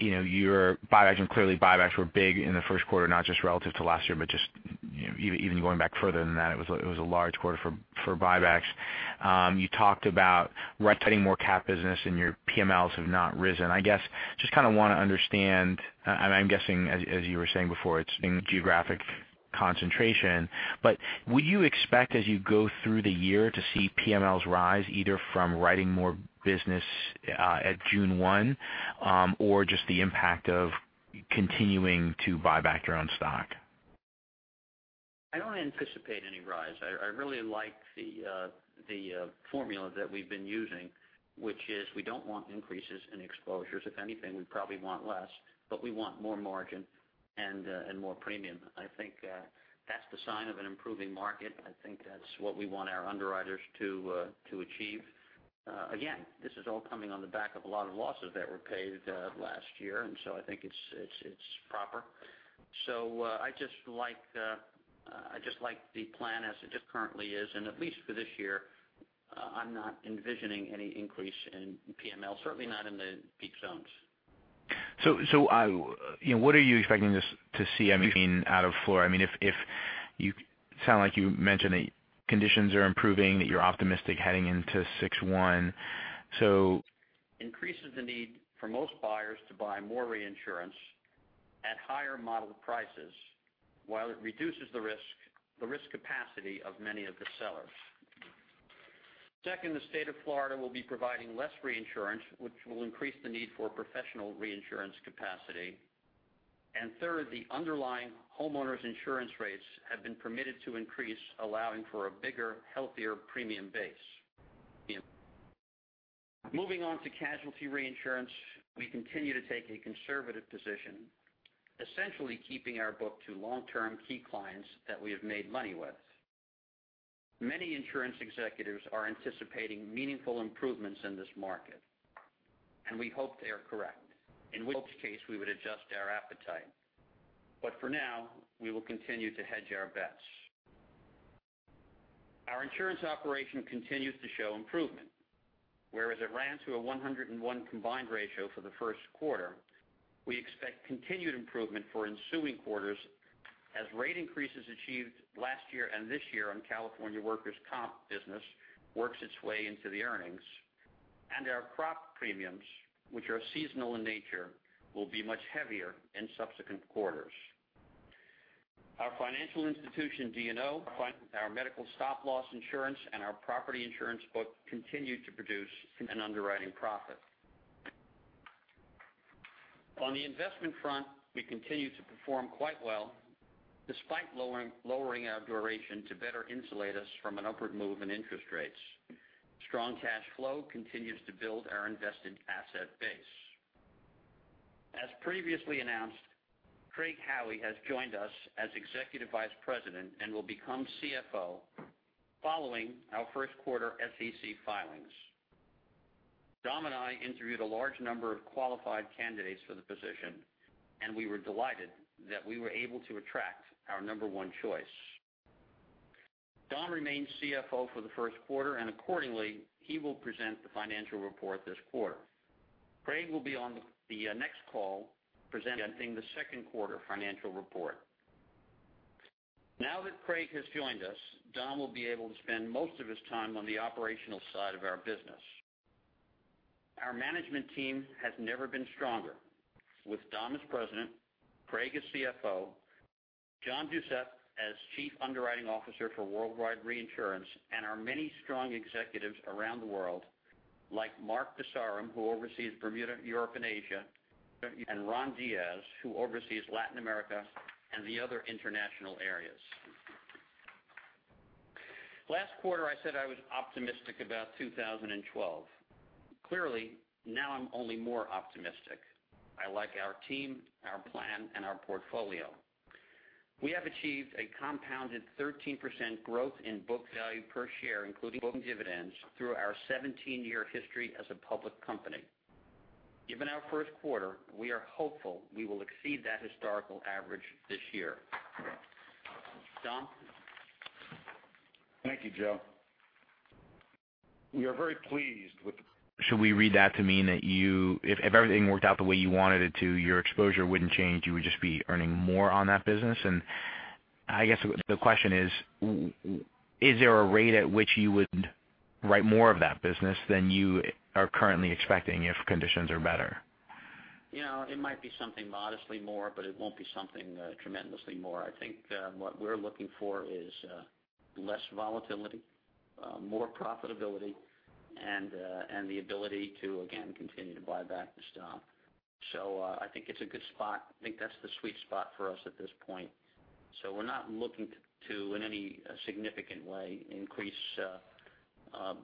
your buybacks, clearly buybacks were big in the first quarter, not just relative to last year, but just even going back further than that, it was a large quarter for buybacks. You talked about writing more cat business and your PMLs have not risen. I guess just kind of want to understand, I'm guessing as you were saying before, it's in geographic concentration. Would you expect as you go through the year to see PMLs rise either from writing more business at June 1, or just the impact of continuing to buy back your own stock? I don't anticipate any rise. I really like the formula that we've been using, which is we don't want increases in exposures. If anything, we probably want less, but we want more margin and more premium. I think that's the sign of an improving market. I think that's what we want our underwriters to achieve. Again, this is all coming on the back of a lot of losses that were paid last year, I think it's proper. I just like the plan as it currently is, and at least for this year, I'm not envisioning any increase in PML, certainly not in the peak zones. What are you expecting to see, I mean, out of Florida? It sounds like you mentioned that conditions are improving, that you're optimistic heading into 6/1. Increases the need for most buyers to buy more reinsurance at higher modeled prices, while it reduces the risk capacity of many of the sellers. Second, the state of Florida will be providing less reinsurance, which will increase the need for professional reinsurance capacity. Third, the underlying homeowners insurance rates have been permitted to increase, allowing for a bigger, healthier premium base. Moving on to casualty reinsurance, we continue to take a conservative position, essentially keeping our book to long-term key clients that we have made money with. Many insurance executives are anticipating meaningful improvements in this market. We hope they are correct, in which case we would adjust our appetite. For now, we will continue to hedge our bets. Our insurance operation continues to show improvement. Whereas it ran through a 101 combined ratio for the first quarter, we expect continued improvement for ensuing quarters as rate increases achieved last year and this year on California workers' comp business works its way into the earnings. Our crop premiums, which are seasonal in nature, will be much heavier in subsequent quarters. Our financial institution D&O, our medical stop loss insurance, and our property insurance book continued to produce an underwriting profit. On the investment front, we continue to perform quite well despite lowering our duration to better insulate us from an upward move in interest rates. Strong cash flow continues to build our invested asset base. As previously announced, Craig Howie has joined us as Executive Vice President and will become CFO following our first quarter SEC filings. Dom and I interviewed a large number of qualified candidates for the position. We were delighted that we were able to attract our number one choice. Dom remains CFO for the first quarter. Accordingly, he will present the financial report this quarter. Craig will be on the next call presenting the second quarter financial report. Craig has joined us, Dom will be able to spend most of his time on the operational side of our business. Our management team has never been stronger with Dom as President, Craig as CFO, John Doucette as Chief Underwriting Officer for Worldwide Reinsurance. Our many strong executives around the world like Mark de Saram, who oversees Bermuda, Europe, and Asia, and Ron Diaz, who oversees Latin America and the other international areas. Last quarter, I said I was optimistic about 2012. Clearly, now I'm only more optimistic. I like our team, our plan, and our portfolio. We have achieved a compounded 13% growth in book value per share, including dividends, through our 17-year history as a public company. Given our first quarter, we are hopeful we will exceed that historical average this year. Dom? Thank you, Joe. We are very pleased. Should we read that to mean that if everything worked out the way you wanted it to, your exposure wouldn't change, you would just be earning more on that business? I guess the question is there a rate at which you would write more of that business than you are currently expecting if conditions are better? It might be something modestly more, but it won't be something tremendously more. I think what we're looking for is less volatility, more profitability, and the ability to, again, continue to buy back the stock. I think it's a good spot. I think that's the sweet spot for us at this point. We're not looking to, in any significant way, increase the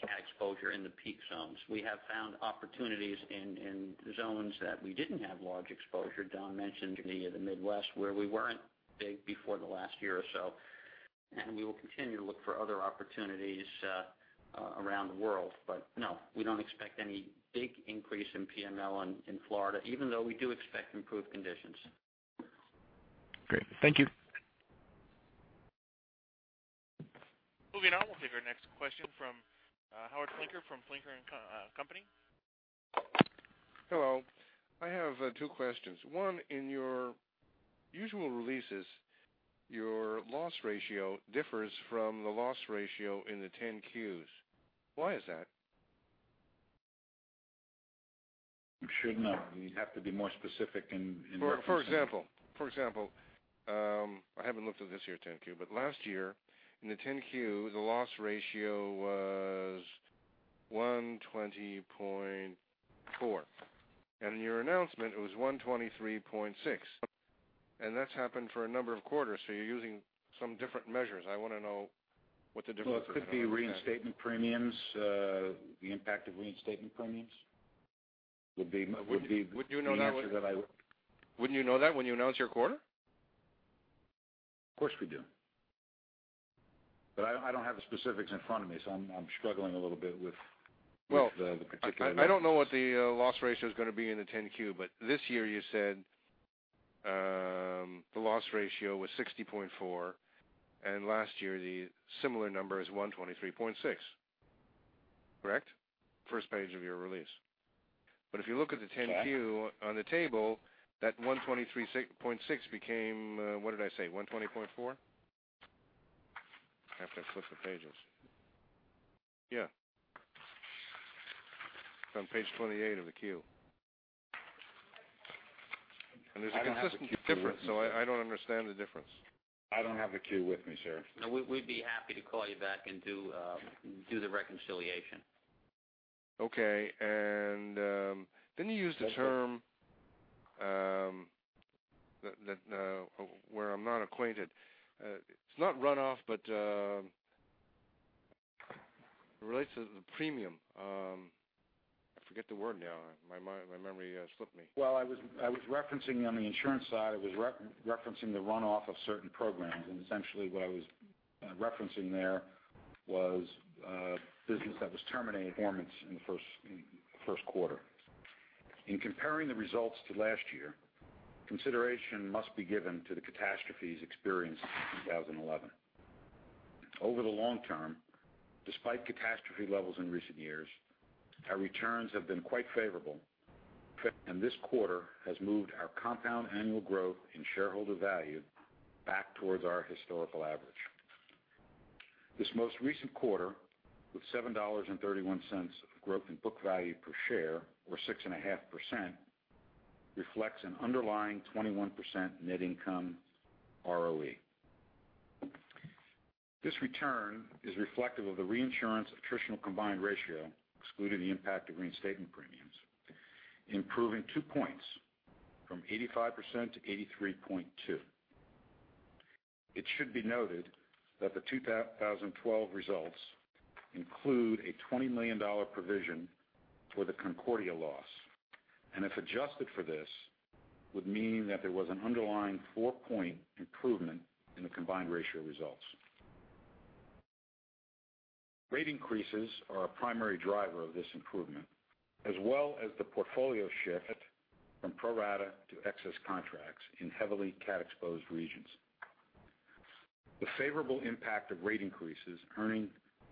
cat exposure in the peak zones. We have found opportunities in zones that we didn't have large exposure. Dom mentioned the Midwest, where we weren't big before the last year or so, and we will continue to look for other opportunities around the world. No, we don't expect any big increase in PML in Florida, even though we do expect improved conditions. Great. Thank you. Moving on, we'll take our next question from Howard Flinker from Flinker & Company. Hello. I have two questions. One, in your usual releases, your loss ratio differs from the loss ratio in the 10-Qs. Why is that? It should not. You'd have to be more specific in referencing- For example, I haven't looked at this year's 10-Q, but last year in the 10-Q, the loss ratio was 120.4, and in your announcement it was 123.6, and that's happened for a number of quarters, so you're using some different measures. I want to know what the difference is. Well, it could be reinstatement premiums, the impact of reinstatement premiums would be. Wouldn't you know that when you announce your quarter? Of course we do. I don't have the specifics in front of me, so I'm struggling a little bit with the particular. Well, I don't know what the loss ratio's going to be in the 10-Q, this year you said the loss ratio was 60.4 and last year the similar number is 123.6. Correct? First page of your release. If you look at the 10-Q on the table, that 123.6 became, what did I say? 120.4? I have to flip some pages. Yeah. It's on page 28 of the Q. There's a consistent difference, so I don't understand the difference. I don't have the Q with me, sir. No, we'd be happy to call you back and do the reconciliation. Okay. You used a term where I'm not acquainted. It's not runoff, but it relates to the premium. I forget the word now. My memory slipped me. Well, on the insurance side, I was referencing the runoff of certain programs, essentially what I was referencing there was business that was terminating performance in the first quarter. In comparing the results to last year, consideration must be given to the catastrophes experienced in 2011. Over the long term, despite catastrophe levels in recent years, our returns have been quite favorable, and this quarter has moved our compound annual growth in shareholder value back towards our historical average. This most recent quarter, with $7.31 of growth in book value per share, or 6.5%, reflects an underlying 21% net income ROE. This return is reflective of the reinsurance attritional combined ratio, excluding the impact of reinstatement premiums, improving two points from 85% to 83.2%. It should be noted that the 2012 results include a $20 million provision for the Concordia loss, and if adjusted for this, would mean that there was an underlying four-point improvement in the combined ratio results. Rate increases are a primary driver of this improvement, as well as the portfolio shift from pro-rata to excess contracts in heavily cat-exposed regions. The favorable impact of rate increases earning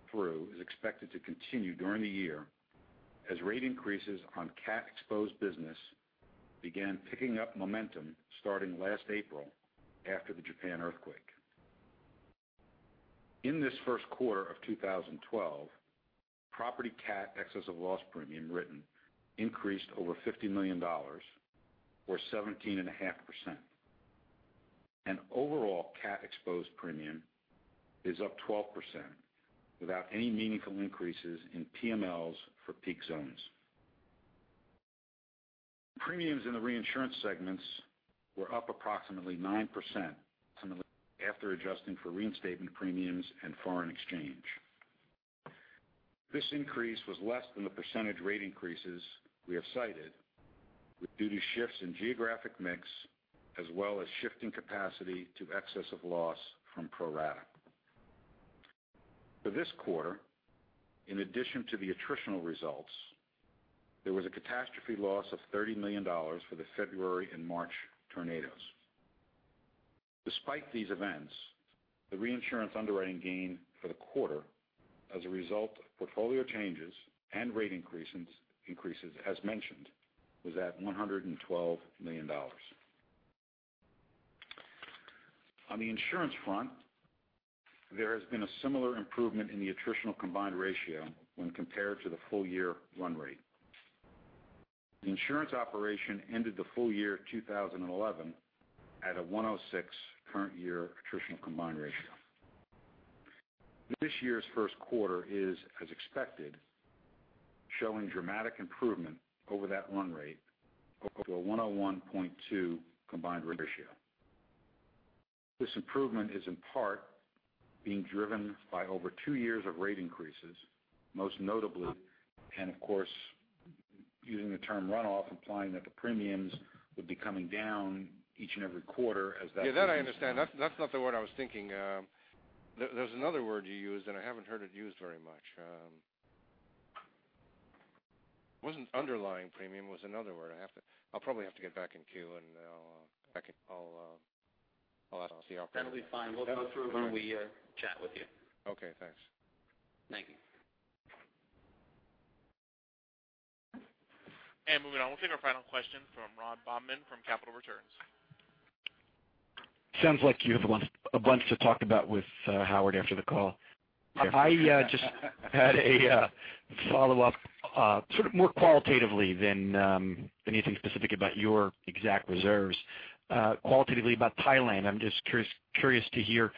through is expected to continue during the year, as rate increases on cat-exposed business began picking up momentum starting last April after the Japan earthquake. In this first quarter of 2012, property cat excess of loss premium written increased over $50 million or 17.5%. Overall cat exposed premium is up 12% without any meaningful increases in PMLs for peak zones. Premiums in the reinsurance segments were up approximately 9% after adjusting for reinstatement premiums and foreign exchange. This increase was less than the percentage rate increases we have cited due to shifts in geographic mix as well as shifting capacity to excess of loss from pro-rata. For this quarter, in addition to the attritional results, there was a catastrophe loss of $30 million for the February and March tornadoes. Despite these events, the reinsurance underwriting gain for the quarter as a result of portfolio changes and rate increases, as mentioned, was at $112 million. On the insurance front, there has been a similar improvement in the attritional combined ratio when compared to the full-year run rate. The insurance operation ended the full year 2011 at a 106 current year attritional combined ratio. This year's first quarter is, as expected, showing dramatic improvement over that run rate of a 101.2 combined ratio. This improvement is in part being driven by over two years of rate increases, most notably and of course, using the term runoff implying that the premiums would be coming down each and every quarter as that. Yeah, that I understand. That's not the word I was thinking. There's another word you used, and I haven't heard it used very much. It wasn't underlying premium. It was another word. I'll probably have to get back in queue, and I'll ask the operator. That'll be fine. We'll go through when we chat with you. Okay, thanks. Thank you. Moving on. We'll take our final question from Ron Bobman from Capital Returns. Sounds like you have a bunch to talk about with Howard after the call. I just had a follow-up sort of more qualitatively than anything specific about your exact reserves. Qualitatively about Thailand. I'm just curious to hear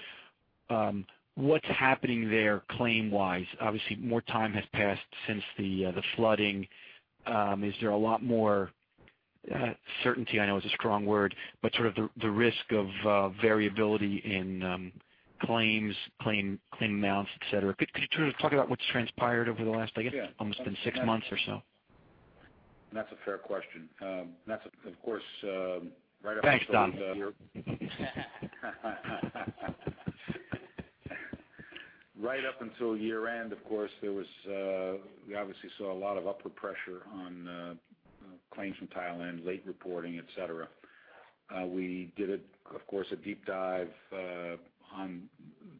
what's happening there claim-wise. Obviously, more time has passed since the flooding. Is there a lot more certainty, I know is a strong word, but sort of the risk of variability in claims, claim amounts, et cetera? Could you talk about what's transpired over the last, I guess almost been six months or so? That's a fair question. That's of course right up. Thanks, Dom. Right up until year-end, of course, we obviously saw a lot of upward pressure on claims from Thailand, late reporting, et cetera. We did, of course, a deep dive on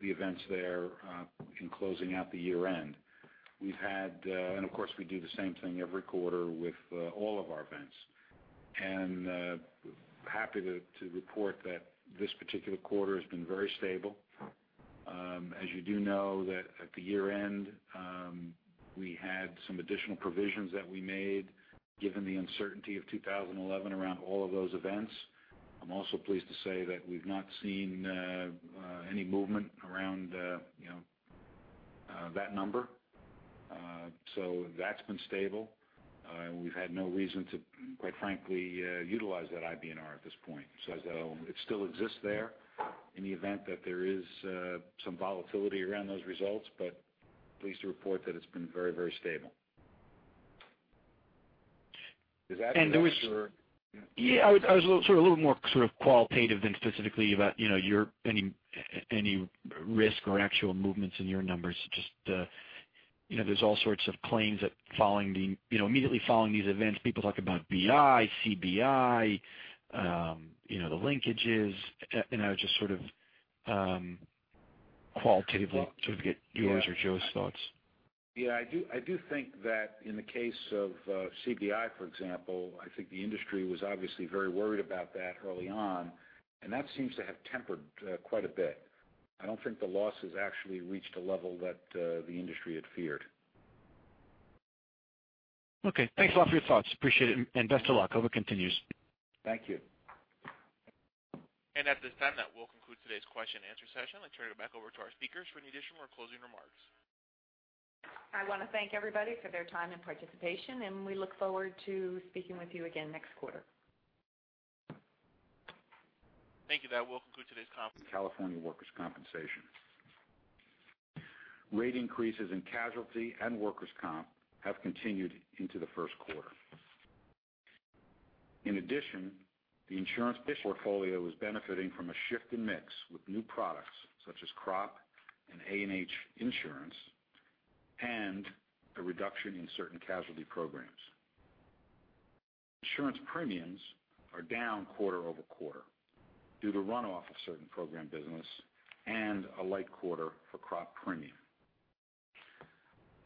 the events there in closing out the year-end. We've had, and of course, we do the same thing every quarter with all of our events. Happy to report that this particular quarter has been very stable. As you do know that at the year-end, we had some additional provisions that we made given the uncertainty of 2011 around all of those events. I'm also pleased to say that we've not seen any movement around that number. That's been stable. We've had no reason to, quite frankly, utilize that IBNR at this point. It still exists there in the event that there is some volatility around those results. Pleased to report that it's been very, very stable. Is that what you were after? Yeah. I was a little more qualitative than specifically about any risk or actual movements in your numbers. Just, there's all sorts of claims that immediately following these events, people talk about BI, CBI, the linkages, I was just sort of qualitatively- Well- -to get yours or Joe's thoughts. Yeah, I do think that in the case of CBI, for example, I think the industry was obviously very worried about that early on, that seems to have tempered quite a bit. I don't think the losses actually reached a level that the industry had feared. Okay, thanks a lot for your thoughts. Appreciate it, and best of luck. Hope it continues. Thank you. At this time, that will conclude today's question and answer session, and turn it back over to our speakers for any additional or closing remarks. I want to thank everybody for their time and participation, and we look forward to speaking with you again next quarter. Thank you. That will conclude today's conference. California workers' compensation. Rate increases in casualty and workers' comp have continued into the first quarter. In addition, the insurance portfolio is benefiting from a shift in mix with new products such as crop and A&H insurance, and a reduction in certain casualty programs. Insurance premiums are down quarter-over-quarter due to runoff of certain program business and a light quarter for crop premium.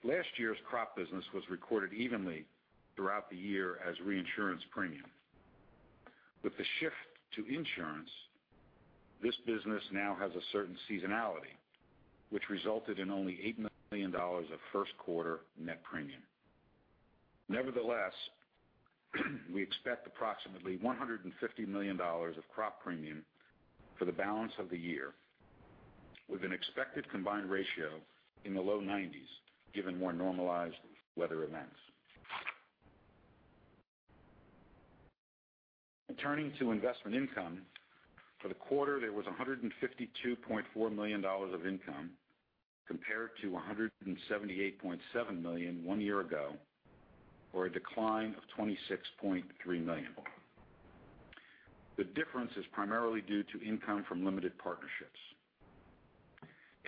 Last year's crop business was recorded evenly throughout the year as reinsurance premium. With the shift to insurance, this business now has a certain seasonality, which resulted in only $8 million of first quarter net premium. Nevertheless, we expect approximately $150 million of crop premium for the balance of the year, with an expected combined ratio in the low 90s, given more normalized weather events. Turning to investment income, for the quarter, there was $152.4 million of income compared to $178.7 million one year ago, or a decline of $26.3 million. The difference is primarily due to income from limited partnerships.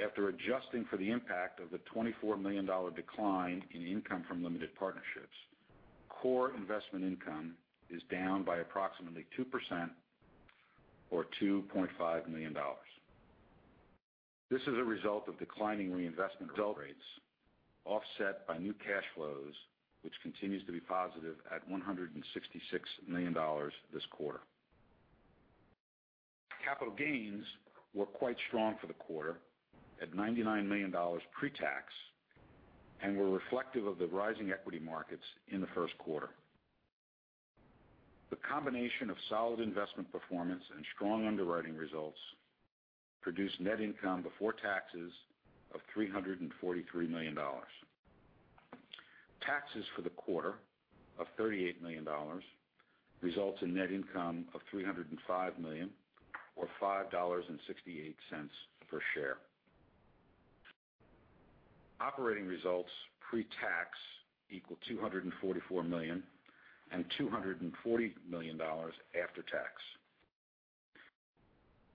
After adjusting for the impact of the $24 million decline in income from limited partnerships, core investment income is down by approximately 2% or $2.5 million. This is a result of declining reinvestment rates offset by new cash flows, which continues to be positive at $166 million this quarter. Capital gains were quite strong for the quarter at $99 million pre-tax and were reflective of the rising equity markets in the first quarter. The combination of solid investment performance and strong underwriting results produced net income before taxes of $343 million. Taxes for the quarter of $38 million results in net income of $305 million or $5.68 per share. Operating results pre-tax equal $244 million and $240 million after tax.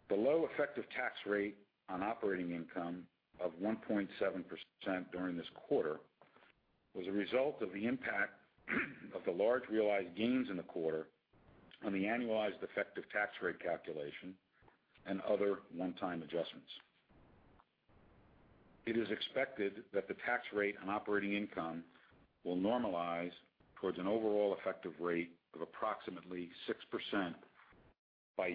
The low effective tax rate on operating income of 1.7% during this quarter was a result of the impact of the large realized gains in the quarter on the annualized effective tax rate calculation and other one-time adjustments. It is expected that the tax rate on operating income will normalize towards an overall effective rate of approximately 6% by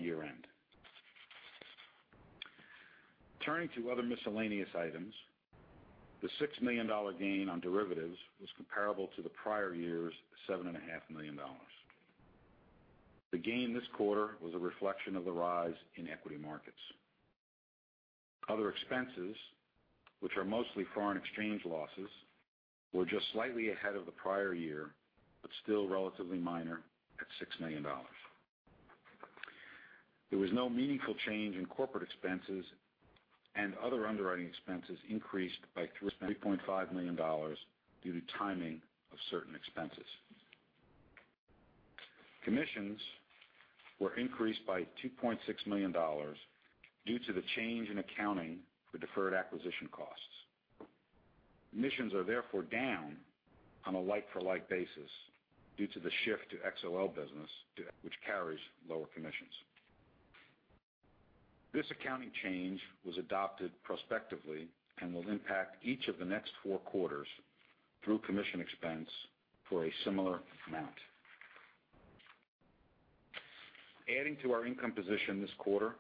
year-end. Turning to other miscellaneous items, the $6 million gain on derivatives was comparable to the prior year's $7.5 million. The gain this quarter was a reflection of the rise in equity markets. Other expenses, which are mostly foreign exchange losses, were just slightly ahead of the prior year, but still relatively minor at $6 million. There was no meaningful change in corporate expenses, and other underwriting expenses increased by $3.5 million due to timing of certain expenses. Commissions were increased by $2.6 million due to the change in accounting for deferred acquisition costs. Commissions are therefore down on a like-for-like basis due to the shift to XOL business, which carries lower commissions. This accounting change was adopted prospectively and will impact each of the next four quarters through commission expense for a similar amount. Adding to our income position this quarter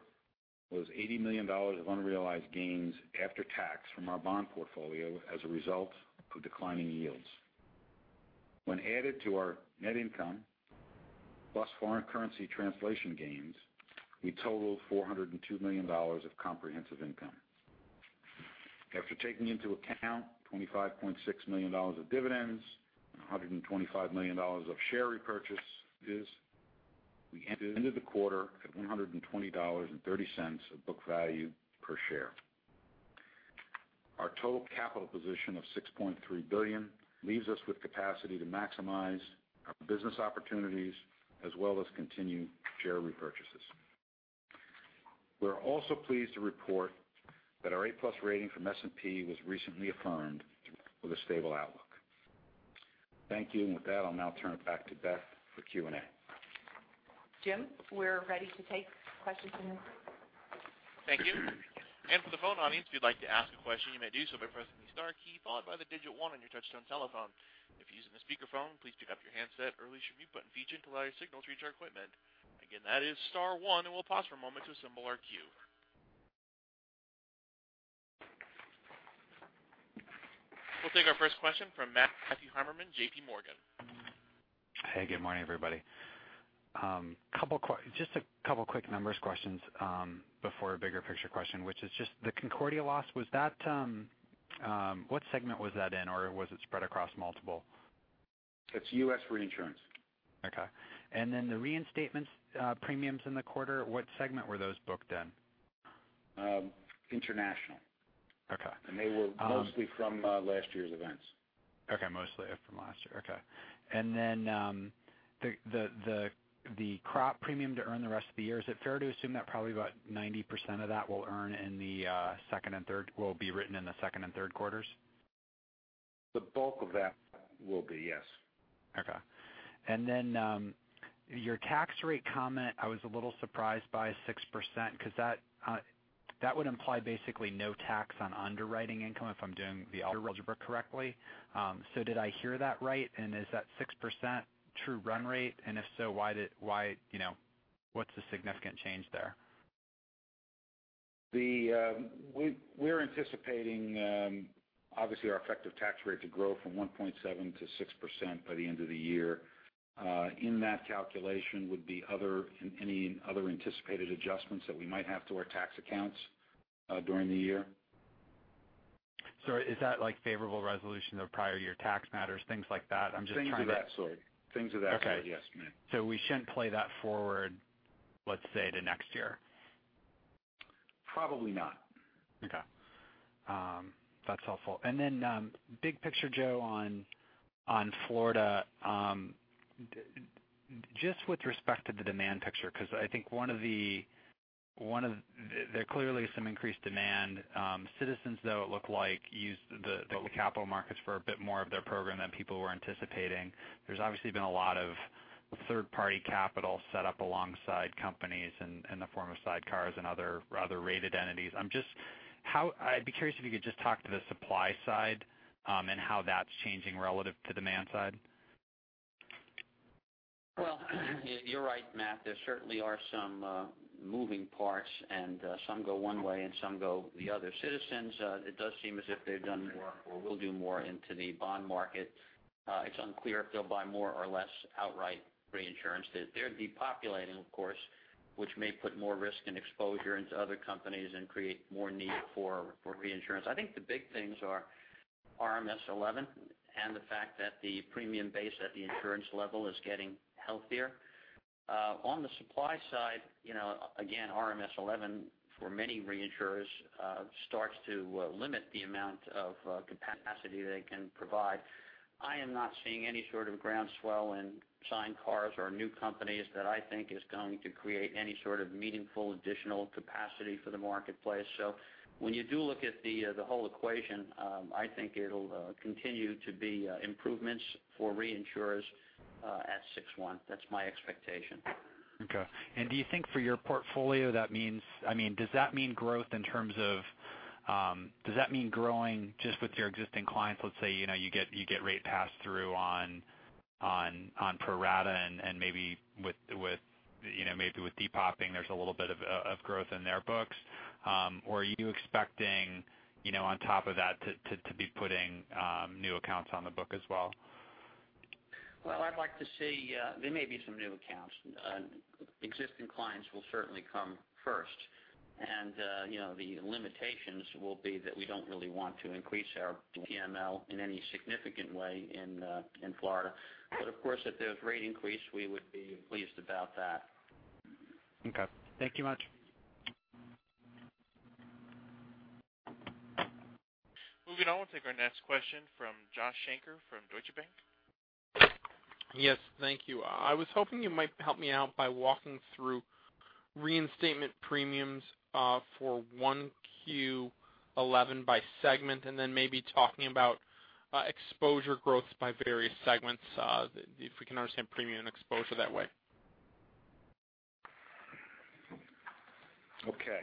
was $80 million of unrealized gains after tax from our bond portfolio as a result of declining yields. When added to our net income plus foreign currency translation gains, we total $402 million of comprehensive income. After taking into account $25.6 million of dividends, $125 million of share repurchases, we ended the quarter at $120.30 of book value per share. Our total capital position of $6.3 billion leaves us with capacity to maximize our business opportunities as well as continue share repurchases. We're also pleased to report that our A+ rating from S&P was recently affirmed with a stable outlook. Thank you. With that, I'll now turn it back to Beth for Q&A. Jim, we're ready to take questions from the group. Thank you. For the phone audience, if you'd like to ask a question, you may do so by pressing the star key, followed by the digit 1 on your touchtone telephone. If you're using a speakerphone, please pick up your handset or release your mute button feature to allow your signal to reach our equipment. Again, that is star one, we'll pause for a moment to assemble our queue. We'll take our first question from Matthew Heimermann, J.P. Morgan. Hey, good morning, everybody. Just a couple of quick numbers questions before a bigger picture question, which is just the Concordia loss. What segment was that in, or was it spread across multiple? It's U.S. reinsurance. Okay. The reinstatement premiums in the quarter, what segment were those booked in? International. Okay. They were mostly from last year's events. Okay. Mostly from last year. Okay. The crop premium to earn the rest of the year. Is it fair to assume that probably about 90% of that will be written in the second and third quarters? The bulk of that will be, yes. Okay. Your tax rate comment, I was a little surprised by 6% because that would imply basically no tax on underwriting income if I'm doing the algebra correctly. Did I hear that right? Is that 6% true run rate? If so, what's the significant change there? We're anticipating obviously our effective tax rate to grow from 1.7% to 6% by the end of the year. In that calculation would be any other anticipated adjustments that we might have to our tax accounts during the year. Is that like favorable resolution of prior year tax matters, things like that? Things of that sort, yes. Okay. We shouldn't play that forward, let's say, to next year. Probably not. Okay. That's helpful. Big picture, Joe, on Florida, just with respect to the demand picture, because there clearly is some increased demand. Citizens, though, it looked like used the capital markets for a bit more of their program than people were anticipating. There's obviously been a lot of third-party capital set up alongside companies in the form of sidecars and other rated entities. I'd be curious if you could just talk to the supply side and how that's changing relative to demand side. Well, you're right, Matt. There certainly are some moving parts, and some go one way and some go the other. Citizens, it does seem as if they've done more or will do more into the bond market. It's unclear if they'll buy more or less outright reinsurance. They're depopulating, of course, which may put more risk and exposure into other companies and create more need for reinsurance. I think the big things are RMS v11 and the fact that the premium base at the insurance level is getting healthier. On the supply side, again, RMS v11 for many reinsurers starts to limit the amount of capacity they can provide. I am not seeing any sort of groundswell in sidecars or new companies that I think is going to create any sort of meaningful additional capacity for the marketplace. When you do look at the whole equation, I think it'll continue to be improvements for reinsurers at 6/1. That's my expectation. Okay. Do you think for your portfolio, does that mean growing just with your existing clients? Let's say you get rate pass-through on pro-rata and maybe with depop-ing there's a little bit of growth in their books? Or are you expecting on top of that to be putting new accounts on the book as well? Well, there may be some new accounts. Existing clients will certainly come first. The limitations will be that we don't really want to increase our PML in any significant way in Florida. Of course, if there's rate increase, we would be pleased about that. Okay. Thank you much. Moving on. We'll take our next question from Josh Shanker from Deutsche Bank. Yes. Thank you. I was hoping you might help me out by walking through reinstatement premiums for 1Q11 by segment, then maybe talking about exposure growth by various segments, if we can understand premium exposure that way. Okay.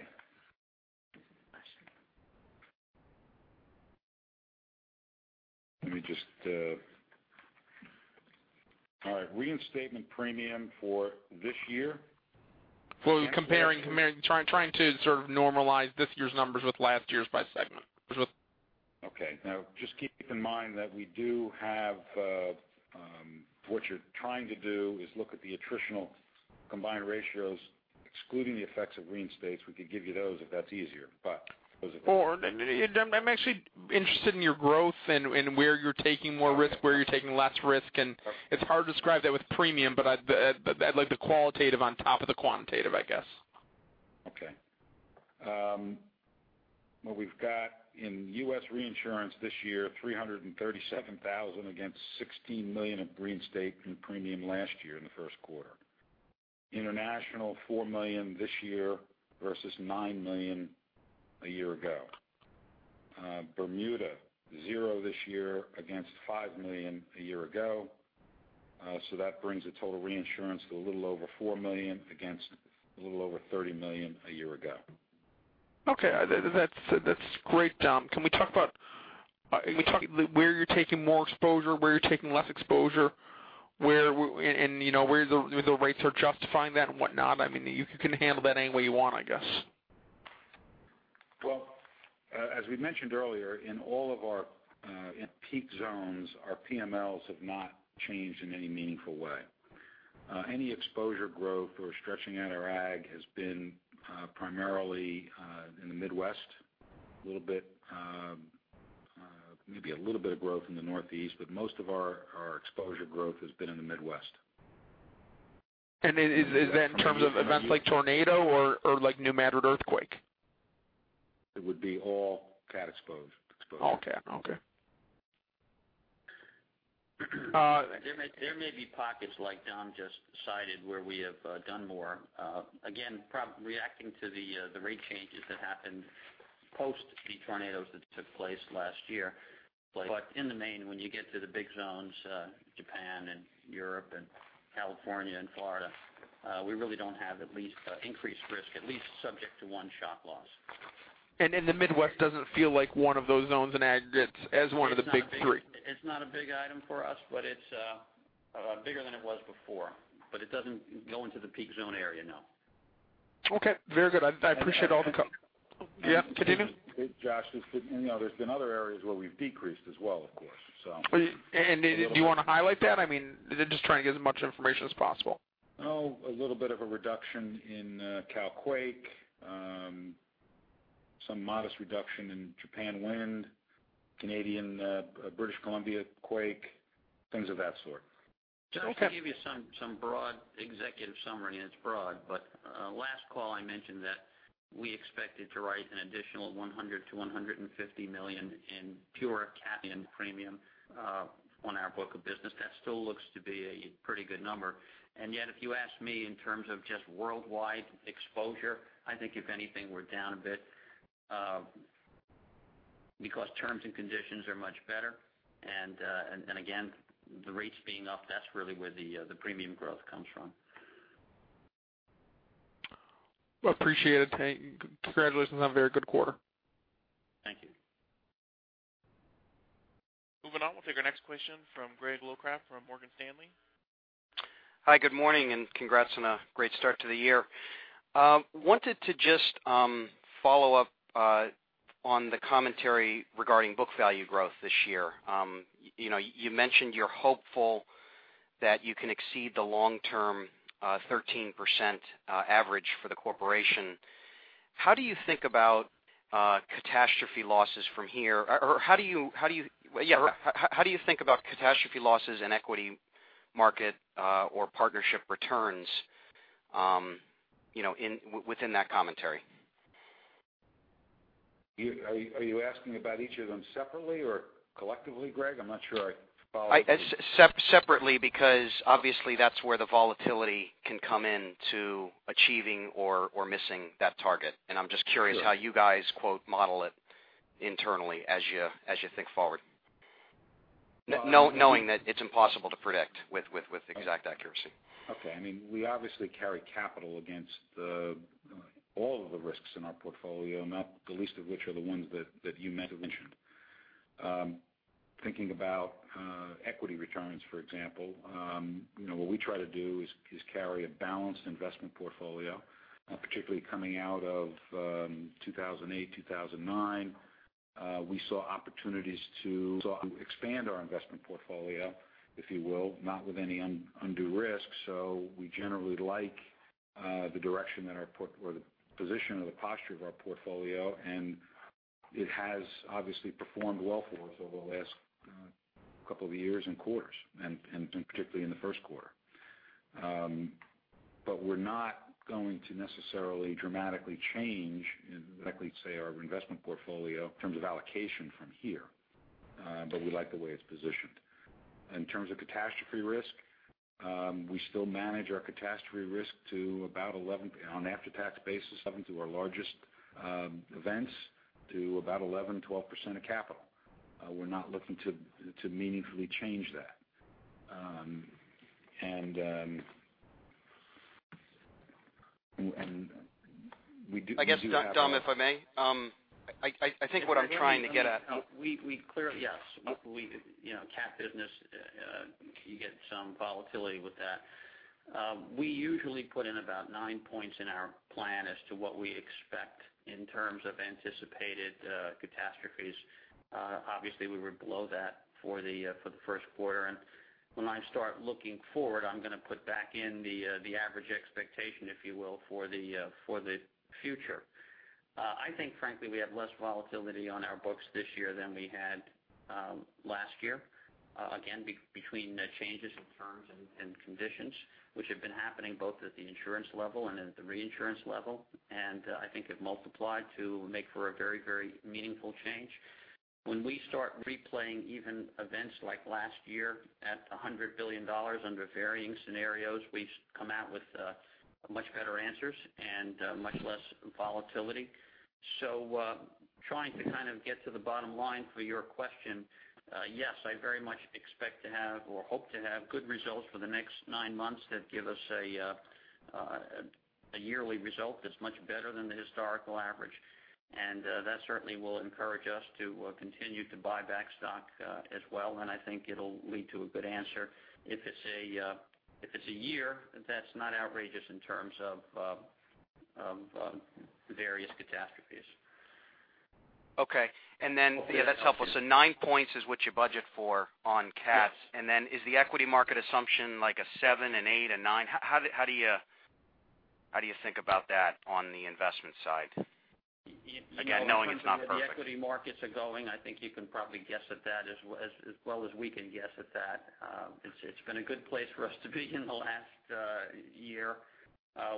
All right. reinstatement premium for this year? Well, trying to sort of normalize this year's numbers with last year's by segment. Okay. Just keep in mind that what you're trying to do is look at the attritional combined ratios excluding the effects of reinstatements we could give you those if that's easier. I'm actually interested in your growth and where you're taking more risk, where you're taking less risk. It's hard to describe that with premium, I'd like the qualitative on top of the quantitative, I guess. Okay. What we've got in U.S. reinsurance this year, $337,000 against $16 million of reinstatement premium last year in the first quarter. International, $4 million this year versus $9 million a year ago. Bermuda, zero this year against $5 million a year ago. That brings the total reinsurance to a little over $4 million against a little over $30 million a year ago. Okay. That's great, Dom. Can we talk about where you're taking more exposure, where you're taking less exposure, and where the rates are justifying that and whatnot? You can handle that any way you want, I guess. As we mentioned earlier, in all of our peak zones, our PMLs have not changed in any meaningful way. Any exposure growth or stretching at our agricultural has been primarily in the Midwest, maybe a little bit of growth in the Northeast, but most of our exposure growth has been in the Midwest. Is that in terms of events like tornado or like New Madrid earthquake? It would be all cat exposure. All cat, okay. There may be pockets like Dom just cited where we have done more, again, reacting to the rate changes that happened post the tornadoes that took place last year. In the main, when you get to the big zones, Japan and Europe and California and Florida, we really don't have at least increased risk, at least subject to one shock loss. In the Midwest doesn't feel like one of those zones in ag as one of the big three. It's not a big item for us, but it's bigger than it was before. It doesn't go into the peak zone area, no. Okay. Very good. I appreciate all the. And then- Yeah, continue. Josh, there's been other areas where we've decreased as well, of course. Do you want to highlight that? Just trying to get as much information as possible. A little bit of a reduction in Cal quake, some modest reduction in Japan wind, Canadian, British Columbia quake, things of that sort. Okay. Just to give you some broad executive summary, and it's broad, but last call I mentioned that we expected to write an additional $100 million-$150 million in pure cat in premium on our book of business. That still looks to be a pretty good number. Yet if you ask me in terms of just worldwide exposure, I think if anything, we're down a bit because terms and conditions are much better and again, the rates being up, that's really where the premium growth comes from. Appreciate it. Congratulations on a very good quarter. Thank you. Moving on. We'll take our next question from Greg Locraft from Morgan Stanley. Hi, good morning, and congrats on a great start to the year. Wanted to just follow up on the commentary regarding book value growth this year. You mentioned you're hopeful that you can exceed the long-term 13% average for the corporation. How do you think about catastrophe losses from here? Or how do you think about catastrophe losses in equity market or partnership returns within that commentary? Are you asking about each of them separately or collectively, Greg Locraft? I'm not sure I follow. Separately, because obviously that's where the volatility can come in to achieving or missing that target. I'm just curious how you guys, quote, "model it" internally as you think forward. Knowing that it's impossible to predict with exact accuracy. Okay. We obviously carry capital against all of the risks in our portfolio, not the least of which are the ones that you mentioned. Thinking about equity returns, for example, what we try to do is carry a balanced investment portfolio, particularly coming out of 2008, 2009. We saw opportunities to expand our investment portfolio, if you will, not with any undue risk. We generally like the direction or the position or the posture of our portfolio, and it has obviously performed well for us over the last couple of years and quarters, and particularly in the first quarter. We're not going to necessarily dramatically change, I could say, our investment portfolio in terms of allocation from here. We like the way it's positioned. In terms of catastrophe risk, we still manage our catastrophe risk on an after-tax basis, serving to our largest events to about 11%, 12% of capital. We're not looking to meaningfully change that. I guess, Dom, if I may. I think what I'm trying to get at- We clearly, yes. Cat business you get some volatility with that. We usually put in about nine points in our plan as to what we expect in terms of anticipated catastrophes, obviously we were below that for the first quarter. When I start looking forward, I'm going to put back in the average expectation, if you will, for the future. I think, frankly, we have less volatility on our books this year than we had last year. Again, between changes in terms and conditions, which have been happening both at the insurance level and at the reinsurance level. I think it multiplied to make for a very meaningful change. When we start replaying even events like last year at $100 billion under varying scenarios, we come out with much better answers and much less volatility. Trying to kind of get to the bottom line for your question, yes, I very much expect to have or hope to have good results for the next nine months that give us a yearly result that's much better than the historical average. That certainly will encourage us to continue to buy back stock as well, and I think it'll lead to a good answer if it's a year that's not outrageous in terms of various catastrophes. Okay. Then, yeah, that's helpful. Nine points is what you budget for on cats. Yes. Is the equity market assumption like a seven, an eight, a nine? How do you think about that on the investment side? Again, knowing it's not perfect. In terms of where the equity markets are going, I think you can probably guess at that as well as we can guess at that. It's been a good place for us to be in the last year.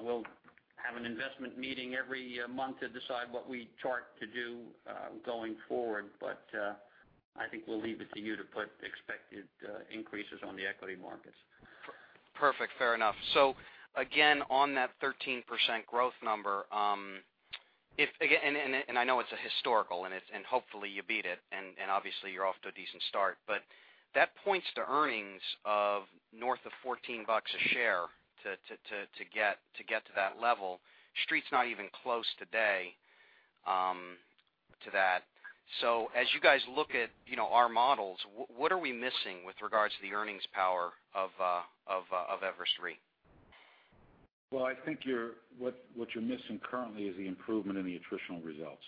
We'll have an investment meeting every month to decide what we chart to do going forward. I think we'll leave it to you to put expected increases on the equity markets. Perfect. Fair enough. On that 13% growth number, and I know it's a historical and hopefully you beat it and obviously you're off to a decent start, but that points to earnings of north of $14 a share to get to that level. Street's not even close today to that. As you guys look at our models, what are we missing with regards to the earnings power of Everest Re? Well, I think what you're missing currently is the improvement in the attritional results.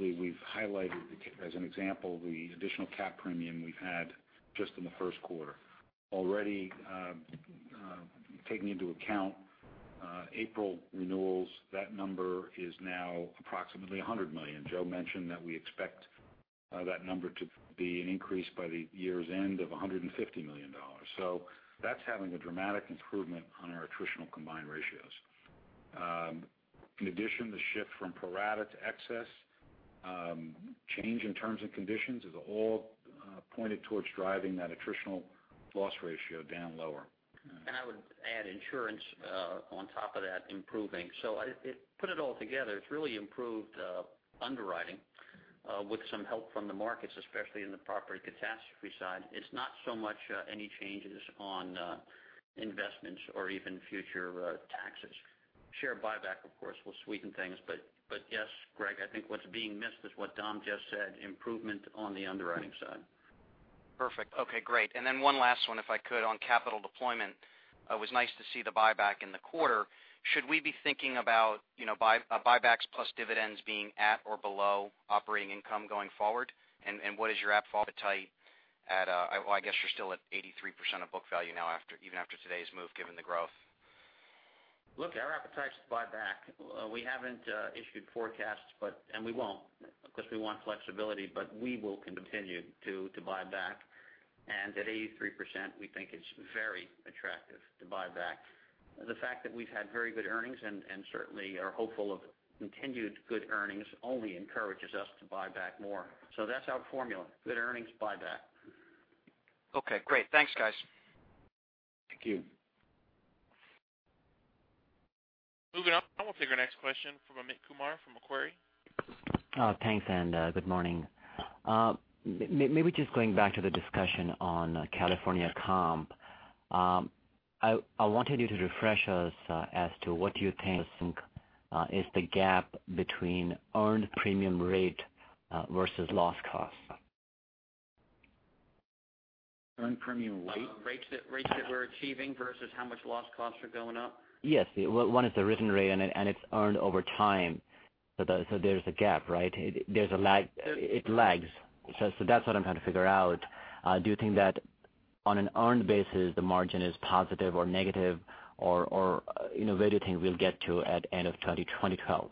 We've highlighted, as an example, the additional cat premium we've had just in the first quarter. Already taking into account April renewals, that number is now approximately $100 million. Joe mentioned that we expect that number to be an increase by the year's end of $150 million. That's having a dramatic improvement on our attritional combined ratios. In addition, the shift from pro-rata to excess, change in terms and conditions, is all pointed towards driving that attritional loss ratio down lower. I would add insurance on top of that improving. Put it all together, it's really improved underwriting with some help from the markets, especially in the property catastrophe side. It's not so much any changes on investments or even future taxes. Share buyback, of course, will sweeten things. Yes, Greg, I think what's being missed is what Dom just said, improvement on the underwriting side. Perfect. Okay, great. One last one, if I could, on capital deployment. It was nice to see the buyback in the quarter. Should we be thinking about buybacks plus dividends being at or below operating income going forward? What is your appetite, well, I guess you're still at 83% of book value now even after today's move, given the growth. Look, our appetite is to buy back. We haven't issued forecasts, and we won't because we want flexibility, but we will continue to buy back. At 83%, we think it's very attractive to buy back. The fact that we've had very good earnings and certainly are hopeful of continued good earnings only encourages us to buy back more. That's our formula, good earnings, buy back. Okay, great. Thanks, guys. Thank you. Moving on, we'll take our next question from Amit Kumar from Macquarie. Thanks. Good morning. Maybe just going back to the discussion on California comp. I wanted you to refresh us as to what you think is the gap between earned premium rate versus loss cost. Earned premium rate? Rates that we're achieving versus how much loss costs are going up? Yes. One is the written rate and it's earned over time. There's a gap, right? It lags. That's what I'm trying to figure out. Do you think that on an earned basis, the margin is positive or negative or where do you think we'll get to at end of 2012?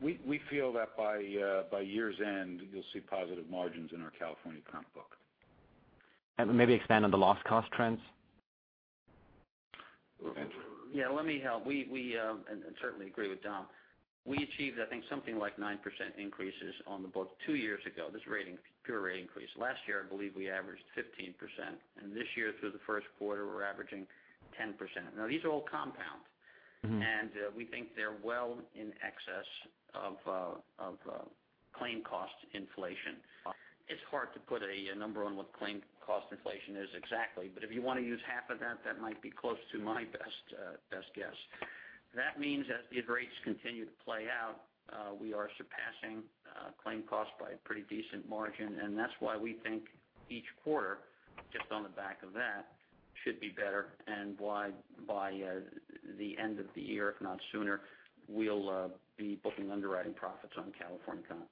We feel that by year's end, you'll see positive margins in our California comp book. Maybe expand on the loss cost trends? Go ahead. Yeah, let me help. Certainly agree with Dom. We achieved, I think something like 9% increases on the book two years ago, this pure rate increase. Last year, I believe we averaged 15%. This year through the first quarter, we're averaging 10%. Now these are all compound. We think they're well in excess of claim cost inflation. It's hard to put a number on what claim cost inflation is exactly, but if you want to use half of that might be close to my best guess. That means as these rates continue to play out We are surpassing claim costs by a pretty decent margin, and that's why we think each quarter, just on the back of that, should be better and why by the end of the year, if not sooner, we'll be booking underwriting profits on California comp.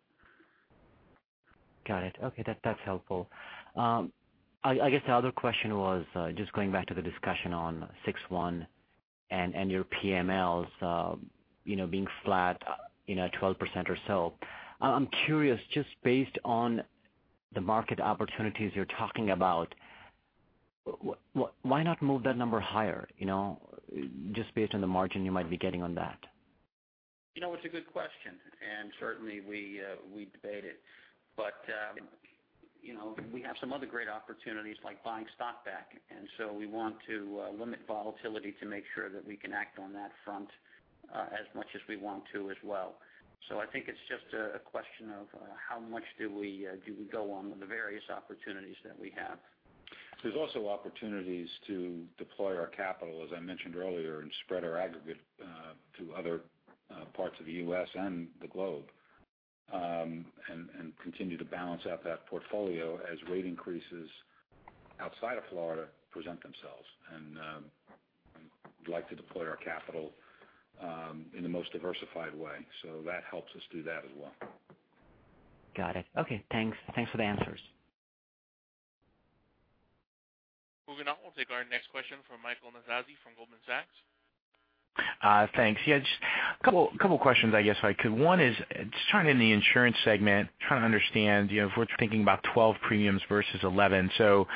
Got it. Okay. That's helpful. I guess the other question was just going back to the discussion on 6/1 and your PMLs being flat 12% or so. I'm curious, just based on the market opportunities you're talking about, why not move that number higher? Just based on the margin you might be getting on that. It's a good question, certainly we debate it. We have some other great opportunities like buying stock back, we want to limit volatility to make sure that we can act on that front as much as we want to as well. I think it's just a question of how much do we go on with the various opportunities that we have. There's also opportunities to deploy our capital, as I mentioned earlier, and spread our aggregate to other parts of the U.S. and the globe, and continue to balance out that portfolio as rate increases outside of Florida present themselves. We'd like to deploy our capital in the most diversified way, that helps us do that as well. Got it. Okay, thanks for the answers. Moving on. We'll take our next question from Michael Nannizzi from Goldman Sachs. Thanks. Yeah, just a couple of questions, I guess, if I could. One is just trying in the insurance segment, trying to understand if we are thinking about 2012 premiums versus 2011.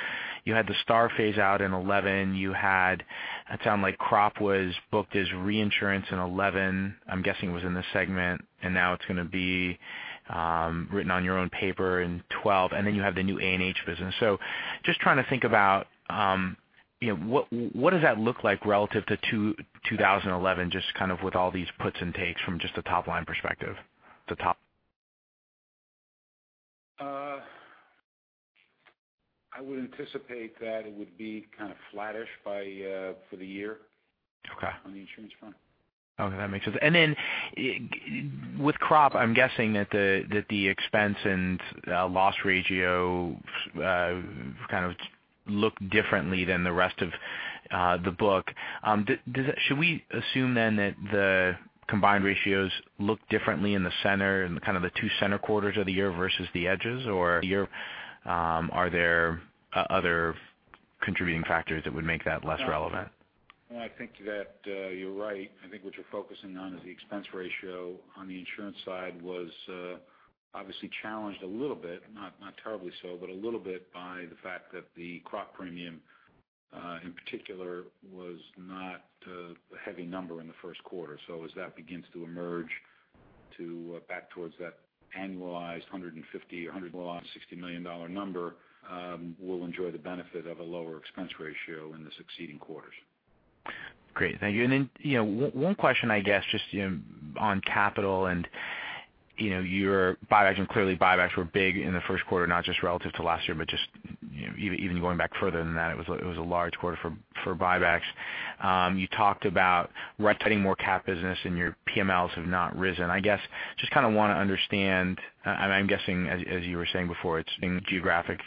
You had the STAR Program phase out in 2011. You had, it sounded like crop was booked as reinsurance in 2011. I am guessing it was in the segment, and now it is going to be written on your own paper in 2012, then you have the new A&H business. Just trying to think about what does that look like relative to 2011, just kind of with all these puts and takes from just the top line perspective? The top. I would anticipate that it would be kind of flattish for the year- Okay on the insurance front. Okay, that makes sense. With crop, I am guessing that the expense and loss ratio kind of look differently than the rest of the book. Should we assume that the combined ratios look differently in the center, in kind of the two center quarters of the year versus the edges? Are there other contributing factors that would make that less relevant? No, I think that you're right. I think what you're focusing on is the expense ratio on the insurance side was obviously challenged a little bit, not terribly so, but a little bit by the fact that the crop premium, in particular, was not a heavy number in the first quarter. As that begins to emerge back towards that annualized $150 million-$160 million number, we'll enjoy the benefit of a lower expense ratio in the succeeding quarters. Great, thank you. One question, I guess, just on capital and your buybacks, and clearly buybacks were big in the first quarter, not just relative to last year, but just even going back further than that, it was a large quarter for buybacks. You talked about writing more cat business and your PMLs have not risen. I guess just kind of want to understand, I'm guessing as you were saying before, it's in geographic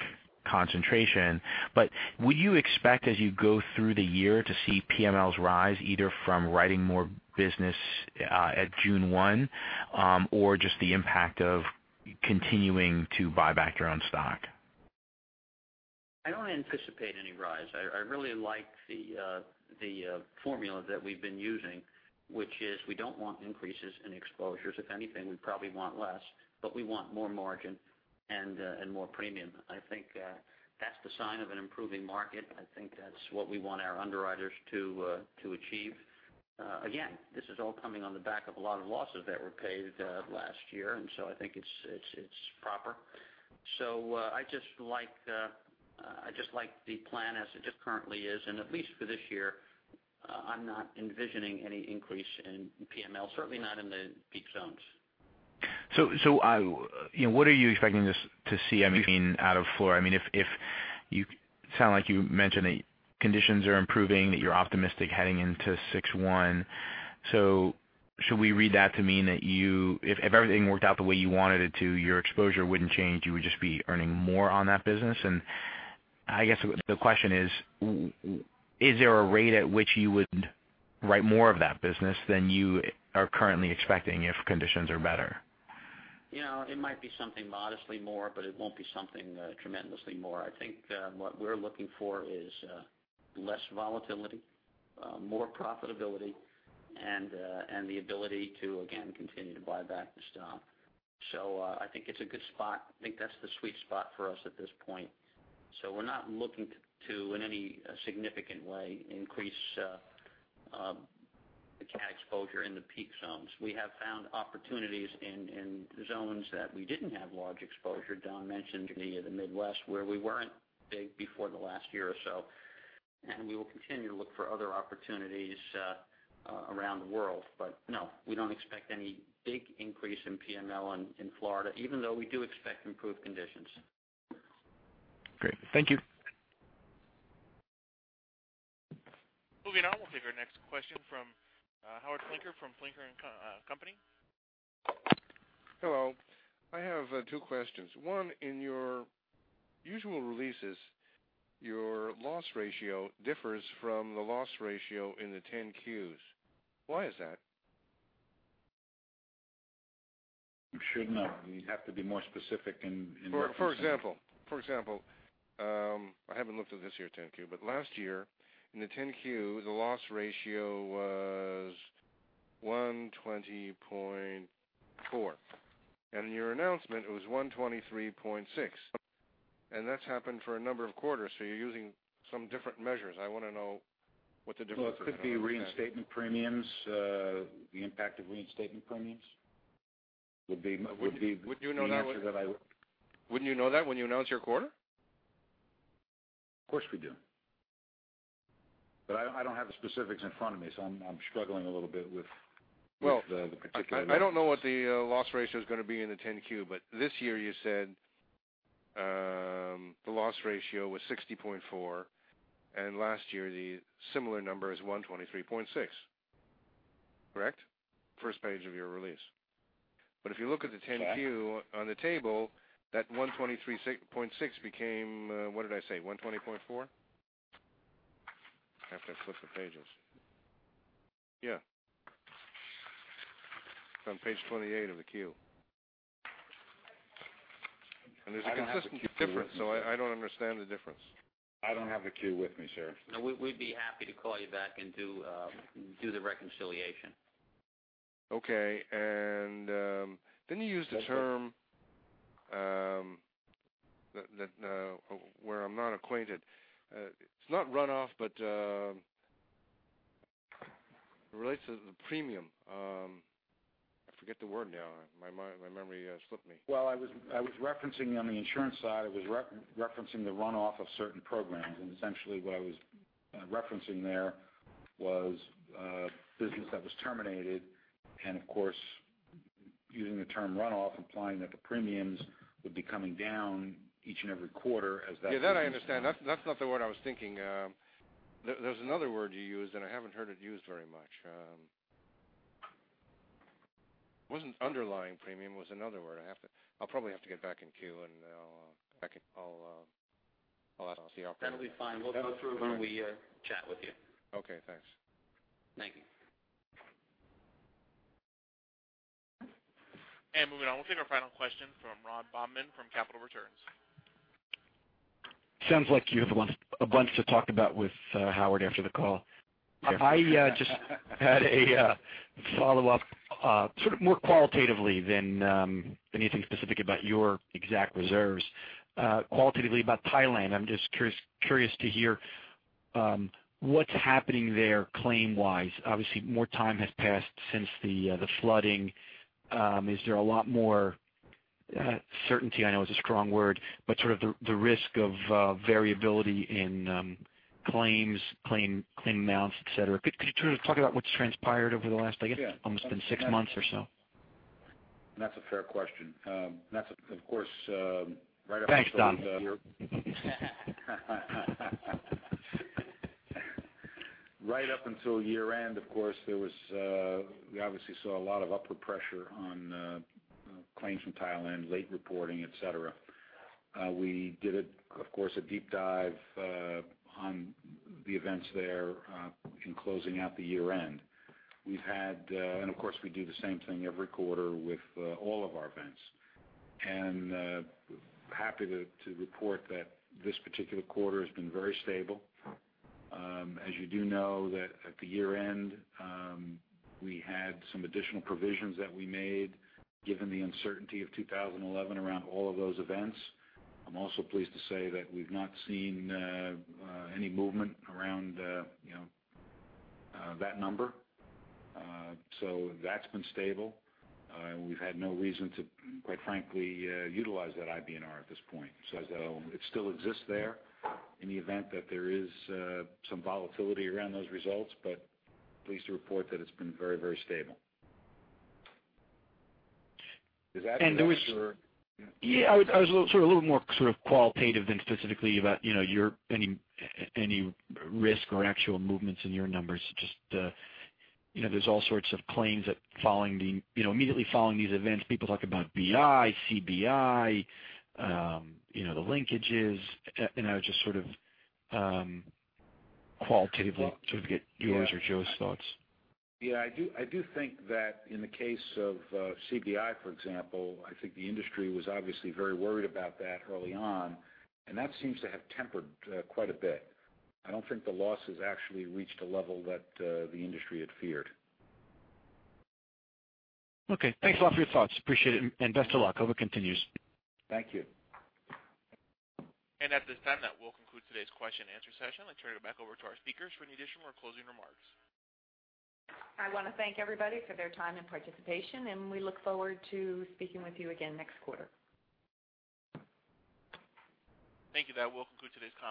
concentration. Would you expect as you go through the year to see PMLs rise either from writing more business at June 1 or just the impact of continuing to buy back your own stock? I don't anticipate any rise. I really like the formula that we've been using, which is we don't want increases in exposures. If anything, we'd probably want less, but we want more margin and more premium. I think that's the sign of an improving market. I think that's what we want our underwriters to achieve. Again, this is all coming on the back of a lot of losses that were paid last year, and so I think it's proper. I just like the plan as it currently is, and at least for this year, I'm not envisioning any increase in PML, certainly not in the peak zones. What are you expecting to see, I mean, out of Florida? It sound like you mentioned that conditions are improving, that you're optimistic heading into 6/1. Should we read that to mean that if everything worked out the way you wanted it to, your exposure wouldn't change, you would just be earning more on that business? I guess the question is there a rate at which you would write more of that business than you are currently expecting if conditions are better? It might be something modestly more, but it won't be something tremendously more. I think what we're looking for is less volatility, more profitability, and the ability to, again, continue to buy back the stock. I think it's a good spot. I think that's the sweet spot for us at this point. We're not looking to, in any significant way, increase the cat exposure in the peak zones. We have found opportunities in zones that we didn't have large exposure. Dom mentioned the Midwest, where we weren't big before the last year or so, and we will continue to look for other opportunities around the world. No, we don't expect any big increase in PML in Florida, even though we do expect improved conditions. Great. Thank you. Our next question from Howard Flinker from Flinker & Company. Hello. I have two questions. One, in your usual releases, your loss ratio differs from the loss ratio in the 10-Qs. Why is that? It should not. You'd have to be more specific. For example, I haven't looked at this year's 10-Q, but last year in the 10-Q, the loss ratio was 120.4, and in your announcement, it was 123.6, and that's happened for a number of quarters. You're using some different measures. I want to know what the difference is. Well, it could be reinstatement premiums. The impact of reinstatement premiums. Wouldn't you know that when you announce your quarter? Of course we do. I don't have the specifics in front of me, so I'm struggling a little bit with the particular numbers. I don't know what the loss ratio is going to be in the 10-Q, but this year you said the loss ratio was 60.4, and last year the similar number is 123.6. Correct? First page of your release. If you look at the 10-Q. Yeah On the table, that 123.6 became, what did I say, 120.4? I have to flip the pages. Yeah. It's on page 28 of the Q. There's a consistent difference, so I don't understand the difference. I don't have the Q with me, sir. No, we'd be happy to call you back and do the reconciliation. Then you used a term where I'm not acquainted. It's not runoff, but it relates to the premium. I forget the word now. My memory slipped me. On the insurance side, I was referencing the runoff of certain programs. Essentially what I was referencing there was business that was terminated. Of course, using the term runoff, implying that the premiums would be coming down each and every quarter. That I understand. That's not the word I was thinking. There's another word you used. I haven't heard it used very much. It wasn't underlying premium, it was another word. I'll probably have to get back in queue. That'll be fine. We'll go through when we chat with you. Okay, thanks. Thank you. Moving on. We'll take our final question from Ron Bobman from Capital Returns. Sounds like you have a bunch to talk about with Howard Flinker after the call. I just had a follow-up, sort of more qualitatively than anything specific about your exact reserves. Qualitatively about Thailand. I'm just curious to hear what's happening there claim-wise. Obviously, more time has passed since the flooding. Is there a lot more, certainty I know is a strong word, but sort of the risk of variability in claims, claim amounts, et cetera? Could you talk about what's transpired over the last, I guess it's been six months or so? That's a fair question. That's, of course, right up until the. Thanks, Dom. Right up until year-end, of course, we obviously saw a lot of upward pressure on claims from Thailand, late reporting, et cetera. We did, of course, a deep dive on the events there in closing out the year-end. Of course, we do the same thing every quarter with all of our events. Happy to report that this particular quarter has been very stable. As you do know that at the year-end, we had some additional provisions that we made given the uncertainty of 2011 around all of those events. I'm also pleased to say that we've not seen any movement around that number. That's been stable. We've had no reason to, quite frankly, utilize that IBNR at this point. It still exists there in the event that there is some volatility around those results, but pleased to report that it's been very, very stable. Is that what you were after? Yeah, I was a little more qualitative than specifically about any risk or actual movements in your numbers, just there's all sorts of claims immediately following these events. People talk about BI, CBI, the linkages. I was just sort of qualitatively trying to get yours or Joe's thoughts. Yeah, I do think that in the case of CBI, for example, I think the industry was obviously very worried about that early on. That seems to have tempered quite a bit. I don't think the losses actually reached a level that the industry had feared. Okay. Thanks a lot for your thoughts. Appreciate it. Best of luck. Our coverage continues. Thank you. At this time, that will conclude today's question and answer session and turn it back over to our speakers for any additional or closing remarks. I want to thank everybody for their time and participation, and we look forward to speaking with you again next quarter. Thank you. That will conclude today's conference.